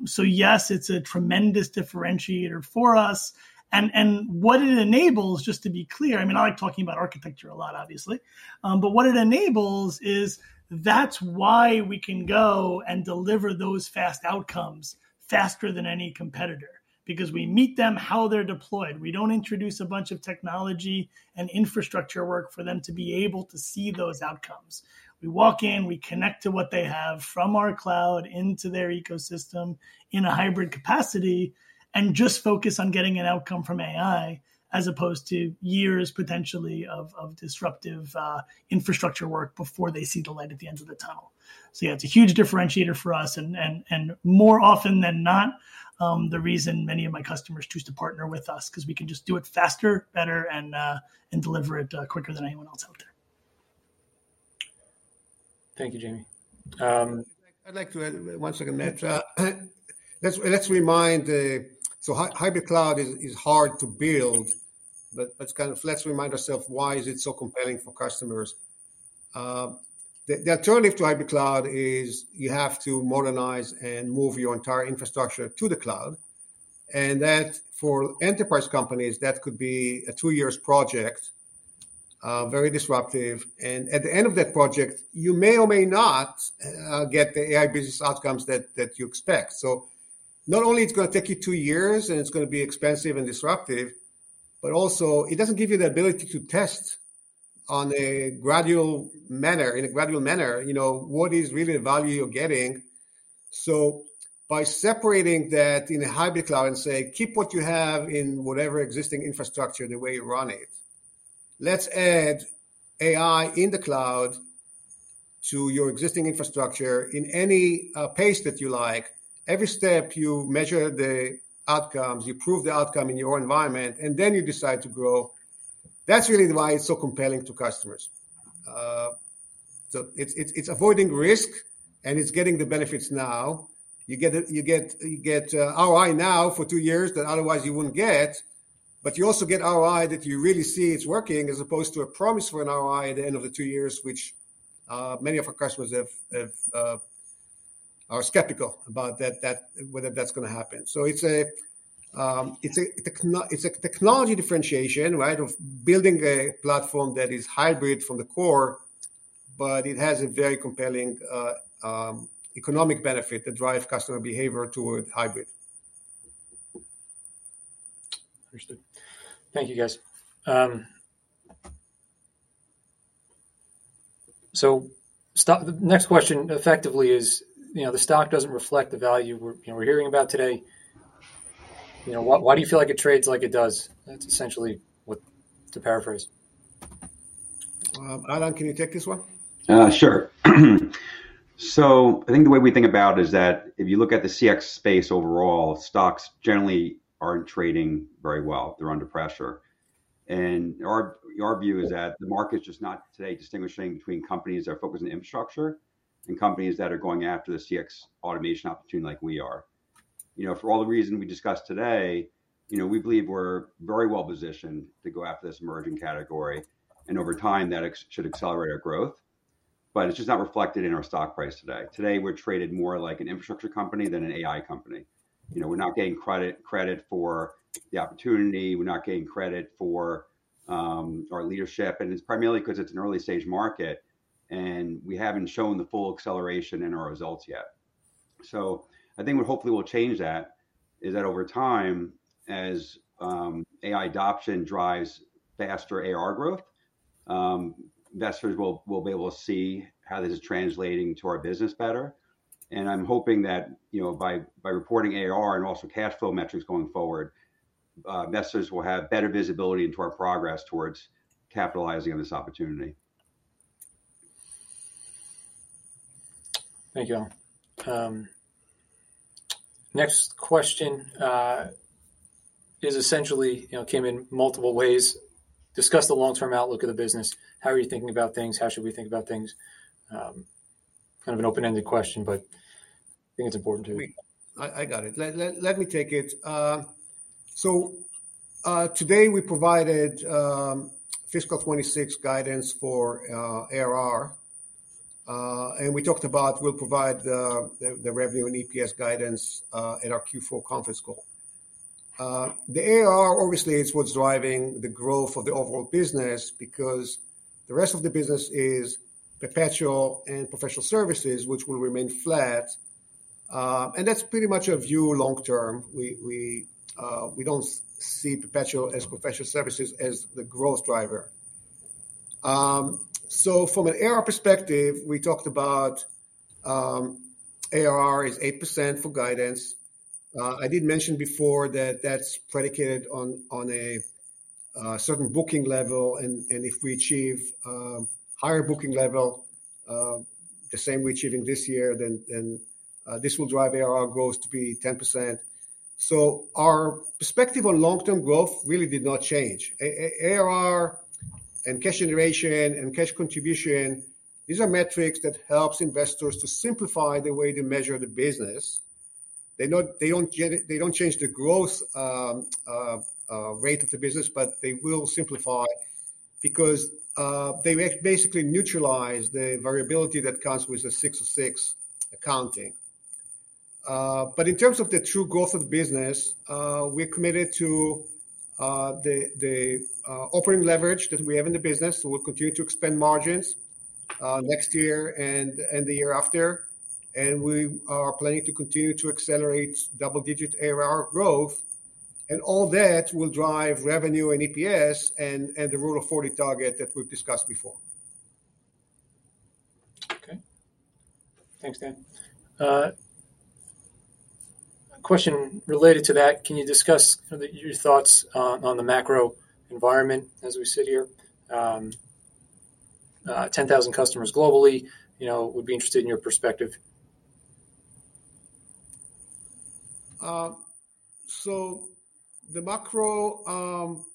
So yes, it's a tremendous differentiator for us. And what it enables, just to be clear, I mean, I like talking about architecture a lot, obviously. But what it enables is that. That's why we can go and deliver those fast outcomes faster than any competitor because we meet them how they're deployed. We don't introduce a bunch of technology and infrastructure work for them to be able to see those outcomes. We walk in, we connect to what they have from our cloud into their ecosystem in a hybrid capacity and just focus on getting an outcome from AI as opposed to years potentially of disruptive infrastructure work before they see the light at the end of the tunnel. So yeah, it's a huge differentiator for us. And more often than not, the reason many of my customers choose to partner with us is because we can just do it faster, better, and deliver it quicker than anyone else out there. Thank you, Jaime. I'd like to add one second there. Let's remind, so Hybrid Cloud is hard to build, but let's kind of remind ourselves why is it so compelling for customers. The alternative to Hybrid Cloud is you have to modernize and move your entire infrastructure to the cloud, and for enterprise companies, that could be a two-year project, very disruptive, and at the end of that project, you may or may not get the AI Business Outcomes that you expect, so not only is it going to take you two years and it's going to be expensive and disruptive, but also it doesn't give you the ability to test in a gradual manner what is really the value you're getting, so by separating that in a Hybrid Cloud and say, "Keep what you have in whatever existing infrastructure the way you run it. Let's add AI in the cloud to your existing infrastructure in any phase that you like. Every step, you measure the outcomes. You prove the outcome in your environment, and then you decide to grow." That's really why it's so compelling to customers. So it's avoiding risk, and it's getting the benefits now. You get ROI now for two years that otherwise you wouldn't get. But you also get ROI that you really see it's working as opposed to a promise for an ROI at the end of the two years, which many of our customers are skeptical about whether that's going to happen. So it's a technology differentiation, right, of building a platform that is hybrid from the core, but it has a very compelling economic benefit that drives customer behavior toward hybrid. Understood. Thank you, guys. So the next question effectively is, the stock doesn't reflect the value we're hearing about today. Why do you feel like it trades like it does? That's essentially what, to paraphrase. Alan, can you take this one? Sure. So I think the way we think about it is that if you look at the CX space overall, stocks generally aren't trading very well. They're under pressure. And our view is that the market's just not today distinguishing between companies that are focused on infrastructure and companies that are going after the CX automation opportunity like we are. For all the reasons we discussed today, we believe we're very well positioned to go after this emerging category. And over time, that should accelerate our growth. But it's just not reflected in our stock price today. Today, we're traded more like an infrastructure company than an AI company. We're not getting credit for the opportunity. We're not getting credit for our leadership. And it's primarily because it's an early-stage market, and we haven't shown the full acceleration in our results yet. So I think what hopefully will change that is that over time, as AI adoption drives faster ARR growth, investors will be able to see how this is translating to our business better. And I'm hoping that by reporting ARR and also cash flow metrics going forward, investors will have better visibility into our progress towards capitalizing on this opportunity. Thank you, Adam. Next question is essentially came in multiple ways. Discuss the long-term outlook of the business. How are you thinking about things? How should we think about things? Kind of an open-ended question, but I think it's important to. I got it. Let me take it. So today, we provided fiscal 2026 guidance for ARR. And we talked about we'll provide the revenue and EPS guidance in our Q4 conference call. The ARR, obviously, is what's driving the growth of the overall business because the rest of the business is perpetual and professional services, which will remain flat. And that's pretty much our view long-term. We don't see perpetual and professional services as the growth driver. So from an ARR perspective, we talked about ARR is 8% for guidance. I did mention before that that's predicated on a certain booking level. And if we achieve a higher booking level, the same as we're achieving this year, then this will drive ARR growth to be 10%. So our perspective on long-term growth really did not change. ARR and cash generation and cash contribution, these are metrics that help investors to simplify the way they measure the business. They don't change the growth rate of the business, but they will simplify because they basically neutralize the variability that comes with the 606 accounting. But in terms of the true growth of the business, we're committed to the operating leverage that we have in the business. We'll continue to expand margins next year and the year after. And we are planning to continue to accelerate double-digit ARR growth. And all that will drive revenue and EPS and the Rule of 40 target that we've discussed before. Okay. Thanks, Dan. Question related to that, can you discuss your thoughts on the macro environment as we sit here? 10,000 customers globally, we'd be interested in your perspective. So the macro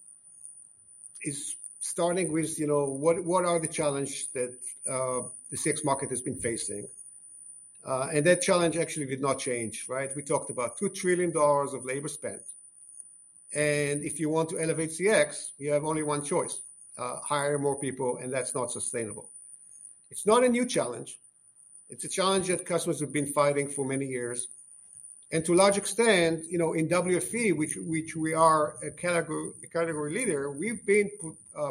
is starting with what are the challenges that the CX market has been facing? And that challenge actually did not change, right? We talked about $2 trillion of labor spent. If you want to elevate CX, you have only one choice: hire more people, and that's not sustainable. It's not a new challenge. It's a challenge that customers have been fighting for many years. To a large extent, in WFE, which we are a category leader, we've been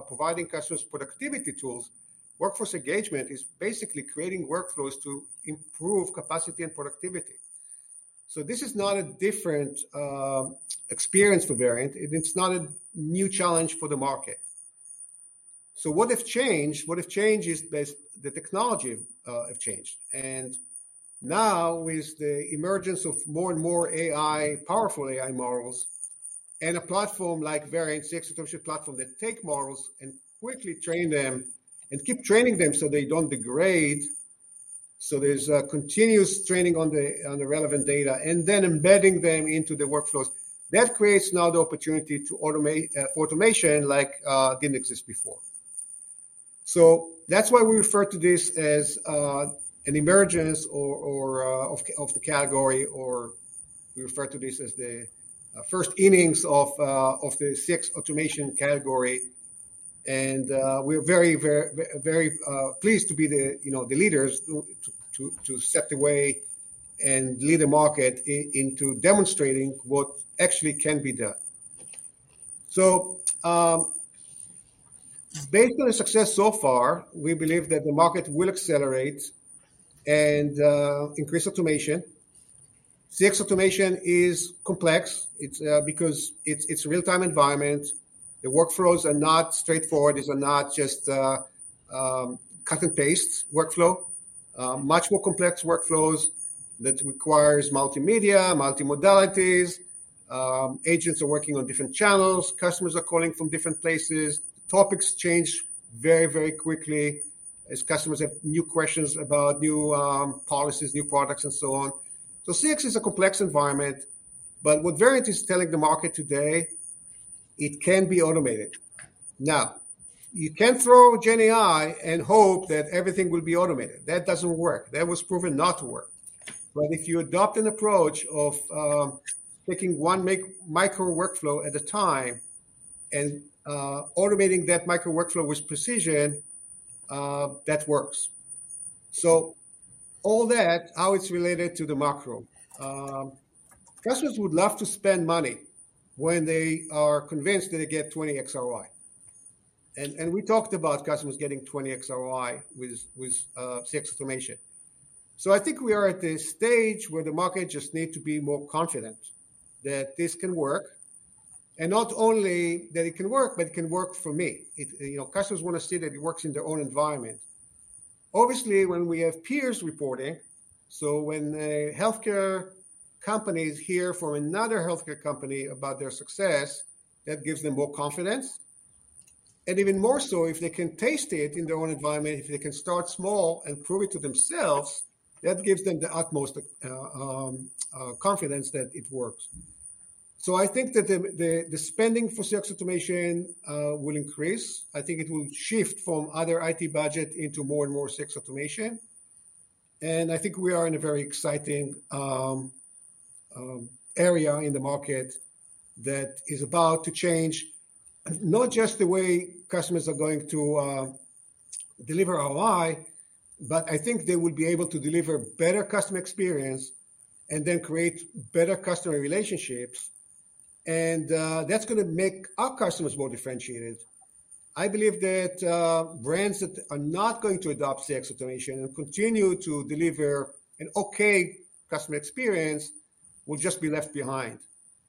providing customers productivity tools. Workforce engagement is basically creating workflows to improve capacity and productivity. This is not a different experience for Verint. It's not a new challenge for the market. What has changed? What has changed is the technology has changed. Now with the emergence of more and more powerful AI models and a platform like Verint CX platform that take models and quickly train them and keep training them so they don't degrade. There's continuous training on the relevant data and then embedding them into the workflows. That creates now the opportunity for automation like didn't exist before. So that's why we refer to this as an emergence of the category, or we refer to this as the first innings of the CX automation category. And we're very, very pleased to be the leaders to set the way and lead the market into demonstrating what actually can be done. So based on the success so far, we believe that the market will accelerate and increase automation. CX automation is complex because it's a real-time environment. The workflows are not straightforward. These are not just cut-and-paste workflow. Much more complex workflows that require multimedia, multimodalities. Agents are working on different channels. Customers are calling from different places. Topics change very, very quickly as customers have new questions about new policies, new products, and so on. So CX is a complex environment. But what Verint is telling the market today, it can be automated. Now, you can't throw GenAI and hope that everything will be automated. That doesn't work. That was proven not to work. But if you adopt an approach of taking one micro workflow at a time and automating that micro workflow with precision, that works. So all that, how it's related to the macro. Customers would love to spend money when they are convinced that they get 20x ROI. And we talked about customers getting 20x ROI with CX automation. So I think we are at this stage where the market just needs to be more confident that this can work. And not only that it can work, but it can work for me. Customers want to see that it works in their own environment. Obviously, when we have peers reporting, so when healthcare companies hear from another healthcare company about their success, that gives them more confidence. And even more so, if they can taste it in their own environment, if they can start small and prove it to themselves, that gives them the utmost confidence that it works. So I think that the spending for CX automation will increase. I think it will shift from other IT budgets into more and more CX automation. And I think we are in a very exciting area in the market that is about to change, not just the way customers are going to deliver ROI, but I think they will be able to deliver better customer experience and then create better customer relationships. And that's going to make our customers more differentiated. I believe that brands that are not going to adopt CX automation and continue to deliver an okay customer experience will just be left behind.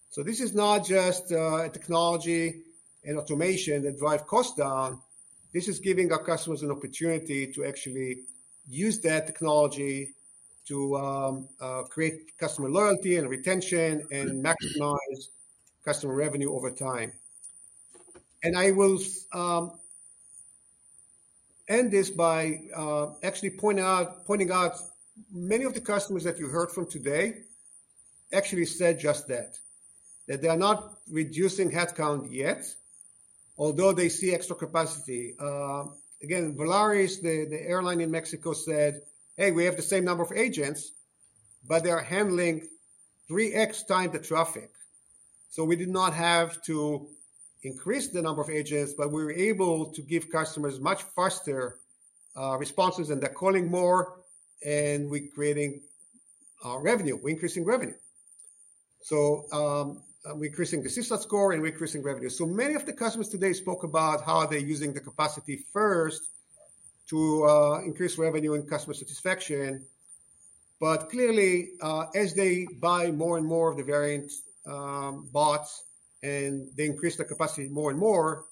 So this is not just a technology and automation that drives costs down. This is giving our customers an opportunity to actually use that technology to create customer loyalty and retention and maximize customer revenue over time. And I will end this by actually pointing out many of the customers that you heard from today actually said just that, that they are not reducing headcount yet, although they see extra capacity. Again, Volaris, the airline in Mexico, said, "Hey, we have the same number of agents, but they are handling 3X times the traffic." So we did not have to increase the number of agents, but we were able to give customers much faster responses, and they're calling more, and we're creating revenue. We're increasing revenue. So we're increasing the CSAT score, and we're increasing revenue. So many of the customers today spoke about how they're using the capacity first to increase revenue and customer satisfaction. But clearly, as they buy more and more of the Verint bots and they increase the capacity more and more,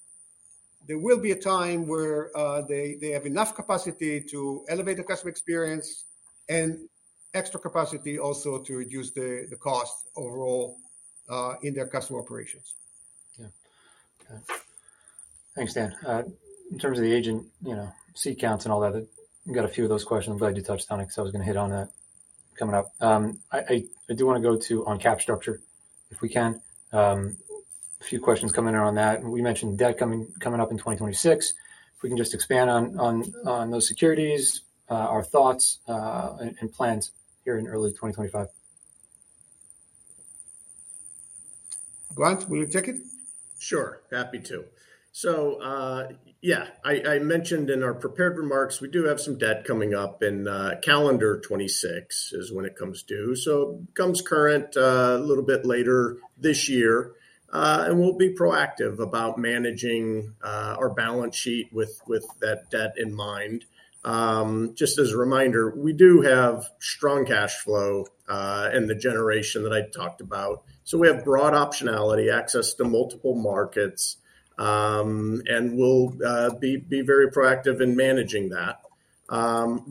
there will be a time where they have enough capacity to elevate the customer experience and extra capacity also to reduce the cost overall in their customer operations. Yeah. Thanks, Dan. In terms of the agent seat counts and all that, we've got a few of those questions. I'm glad you touched on it because I was going to hit on it coming up. I do want to go to on cap structure if we can. A few questions coming in on that. And we mentioned debt coming up in 2026. If we can just expand on those securities, our thoughts and plans here in early 2025. Grant, will you take it? Sure. Happy to. So yeah, I mentioned in our prepared remarks, we do have some debt coming up in calendar 2026 is when it comes due. So it comes current a little bit later this year. And we'll be proactive about managing our balance sheet with that debt in mind. Just as a reminder, we do have strong cash flow and the generation that I talked about. So we have broad optionality, access to multiple markets, and we'll be very proactive in managing that.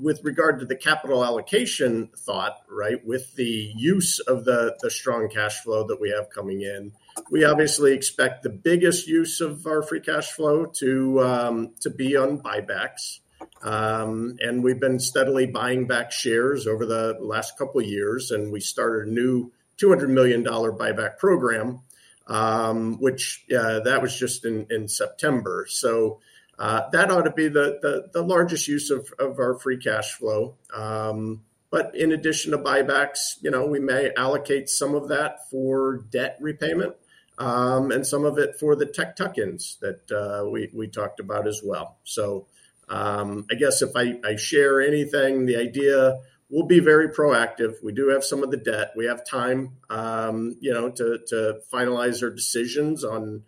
With regard to the capital allocation thought, right, with the use of the strong cash flow that we have coming in, we obviously expect the biggest use of our free cash flow to be on buybacks. We've been steadily buying back shares over the last couple of years, and we started a new $200 million buyback program, which that was just in September. So that ought to be the largest use of our free cash flow. But in addition to buybacks, we may allocate some of that for debt repayment and some of it for the tech tuck-ins that we talked about as well. So I guess if I share anything, the idea we'll be very proactive. We do have some of the debt. We have time to finalize our decisions on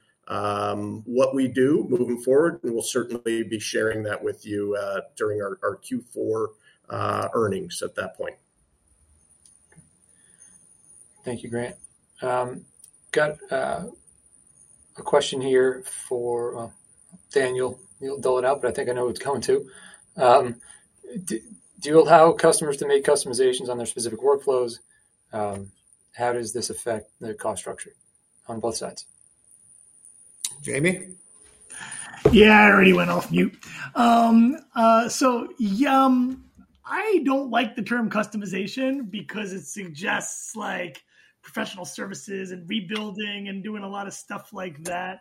what we do moving forward. And we'll certainly be sharing that with you during our Q4 earnings at that point. Thank you, Grant. Got a question here for Daniel. He'll dole it out, but I think I know who it's coming to. Do you allow customers to make customizations on their specific workflows? How does this affect the cost structure on both sides? Jaime? Yeah, I already went off mute, so I don't like the term customization because it suggests professional services and rebuilding and doing a lot of stuff like that.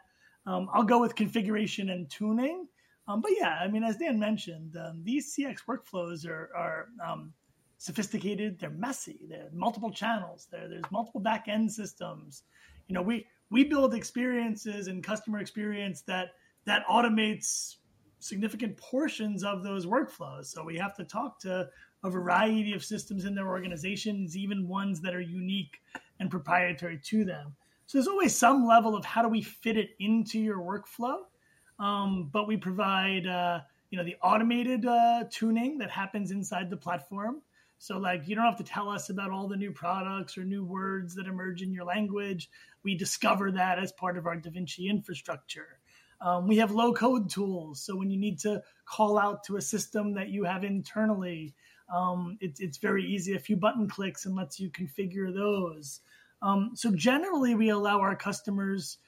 I'll go with configuration and tuning. But yeah, I mean, as Dan mentioned, these CX workflows are sophisticated. They're messy. They have multiple channels. There's multiple back-end systems. We build experiences and customer experience that automates significant portions of those workflows. So we have to talk to a variety of systems in their organizations, even ones that are unique and proprietary to them. So there's always some level of how do we fit it into your workflow. But we provide the automated tuning that happens inside the platform. So you don't have to tell us about all the new products or new words that emerge in your language. We discover that as part of our Da Vinci infrastructure. We have low-code tools. So when you need to call out to a system that you have internally, it's very easy. A few button clicks and lets you configure those. So generally, we allow our customers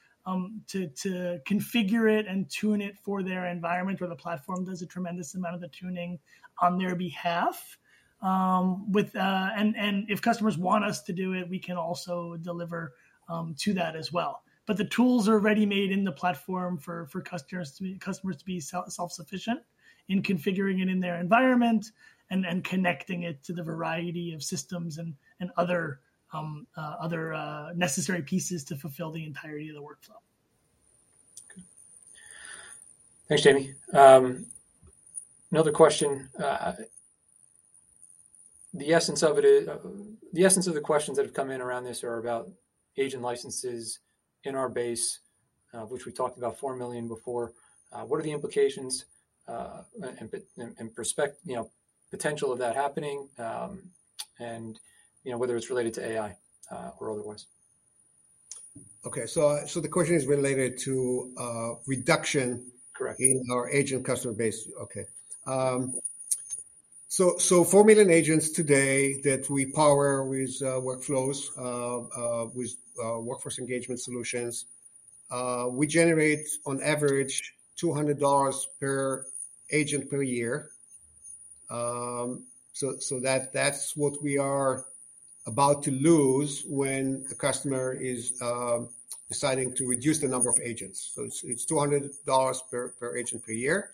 to configure it and tune it for their environment where the platform does a tremendous amount of the tuning on their behalf. And if customers want us to do it, we can also deliver to that as well. But the tools are ready-made in the platform for customers to be self-sufficient in configuring it in their environment and connecting it to the variety of systems and other necessary pieces to fulfill the entirety of the workflow. Thanks, Jaime. Another question. The essence of it is the essence of the questions that have come in around this are about agent licenses in our base, which we talked about 4 million before. What are the implications and potential of that happening and whether it's related to AI or otherwise? Okay, so the question is related to reduction in our agent customer base. Okay, so 4 million agents today that we power with workflows, with workforce engagement solutions. We generate on average $200 per agent per year, so that's what we are about to lose when a customer is deciding to reduce the number of agents. So it's $200 per agent per year,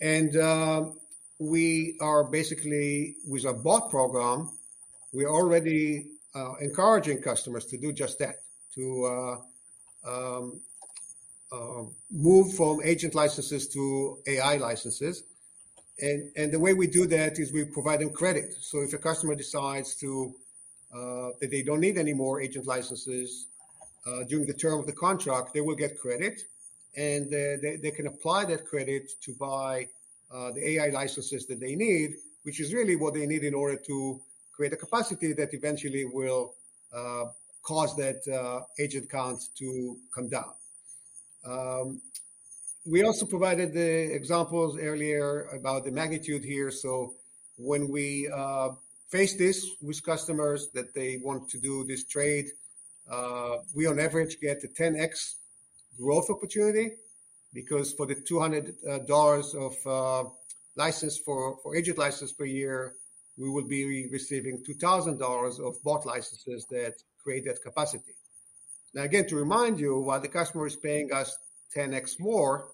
and we are basically, with our bot program, we're already encouraging customers to do just that, to move from agent licenses to AI licenses, and the way we do that is we provide them credit. So if a customer decides that they don't need any more agent licenses during the term of the contract, they will get credit. And they can apply that credit to buy the AI licenses that they need, which is really what they need in order to create a capacity that eventually will cause that agent count to come down. We also provided the examples earlier about the magnitude here. So when we face this with customers that they want to do this trade, we on average get a 10X growth opportunity because for the $200 of license for agent license per year, we will be receiving $2,000 of bot licenses that create that capacity. Now, again, to remind you, while the customer is paying us 10X more,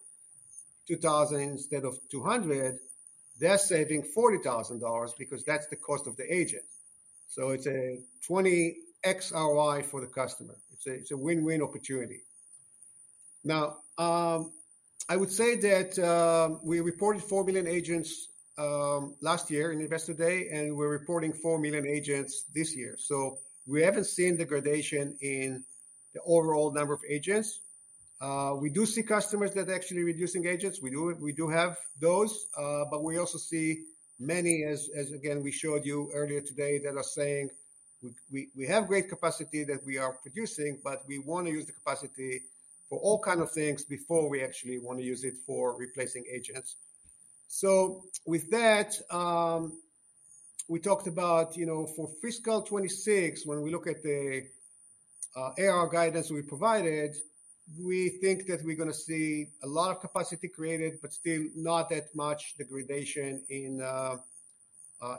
2,000 instead of 200, they're saving $40,000 because that's the cost of the agent. So it's a 20X ROI for the customer. It's a win-win opportunity. Now, I would say that we reported 4 million agents last year in Investor Day, and we're reporting 4 million agents this year. So we haven't seen degradation in the overall number of agents. We do see customers that are actually reducing agents. We do have those. But we also see many, as again, we showed you earlier today, that are saying we have great capacity that we are producing, but we want to use the capacity for all kinds of things before we actually want to use it for replacing agents. So with that, we talked about for fiscal 2026, when we look at the ARR guidance we provided, we think that we're going to see a lot of capacity created, but still not that much degradation in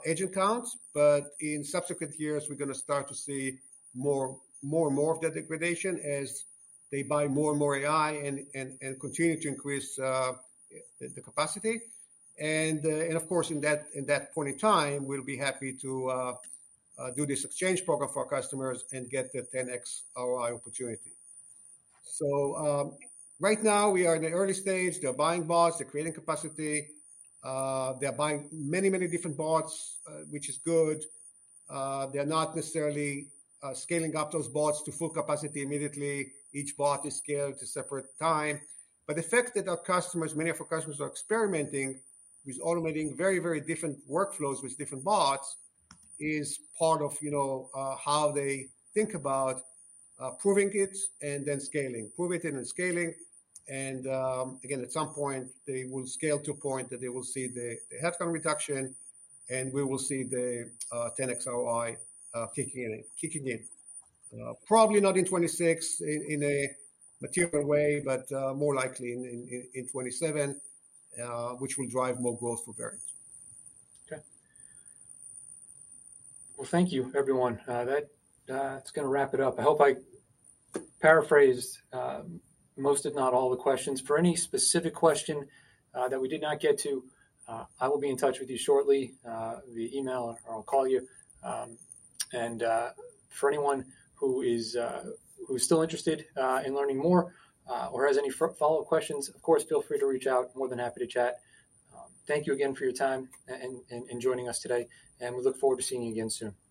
agent counts. But in subsequent years, we're going to start to see more and more of that degradation as they buy more and more AI and continue to increase the capacity. And of course, in that point in time, we'll be happy to do this exchange program for our customers and get the 10X ROI opportunity. So right now, we are in the early stage. They're buying bots. They're creating capacity. They're buying many, many different bots, which is good. They're not necessarily scaling up those bots to full capacity immediately. Each bot is scaled to separate time. But the fact that our customers, many of our customers, are experimenting with automating very, very different workflows with different bots is part of how they think about proving it and then scaling, proving it and then scaling. And again, at some point, they will scale to a point that they will see the headcount reduction, and we will see the 10X ROI kicking in. Probably not in 2026 in a material way, but more likely in 2027, which will drive more growth for Verint. Okay. Well, thank you, everyone. That's going to wrap it up. I hope I paraphrased most, if not all, the questions. For any specific question that we did not get to, I will be in touch with you shortly via email or I'll call you. And for anyone who is still interested in learning more or has any follow-up questions, of course, feel free to reach out. More than happy to chat. Thank you again for your time and joining us today. And we look forward to seeing you again soon.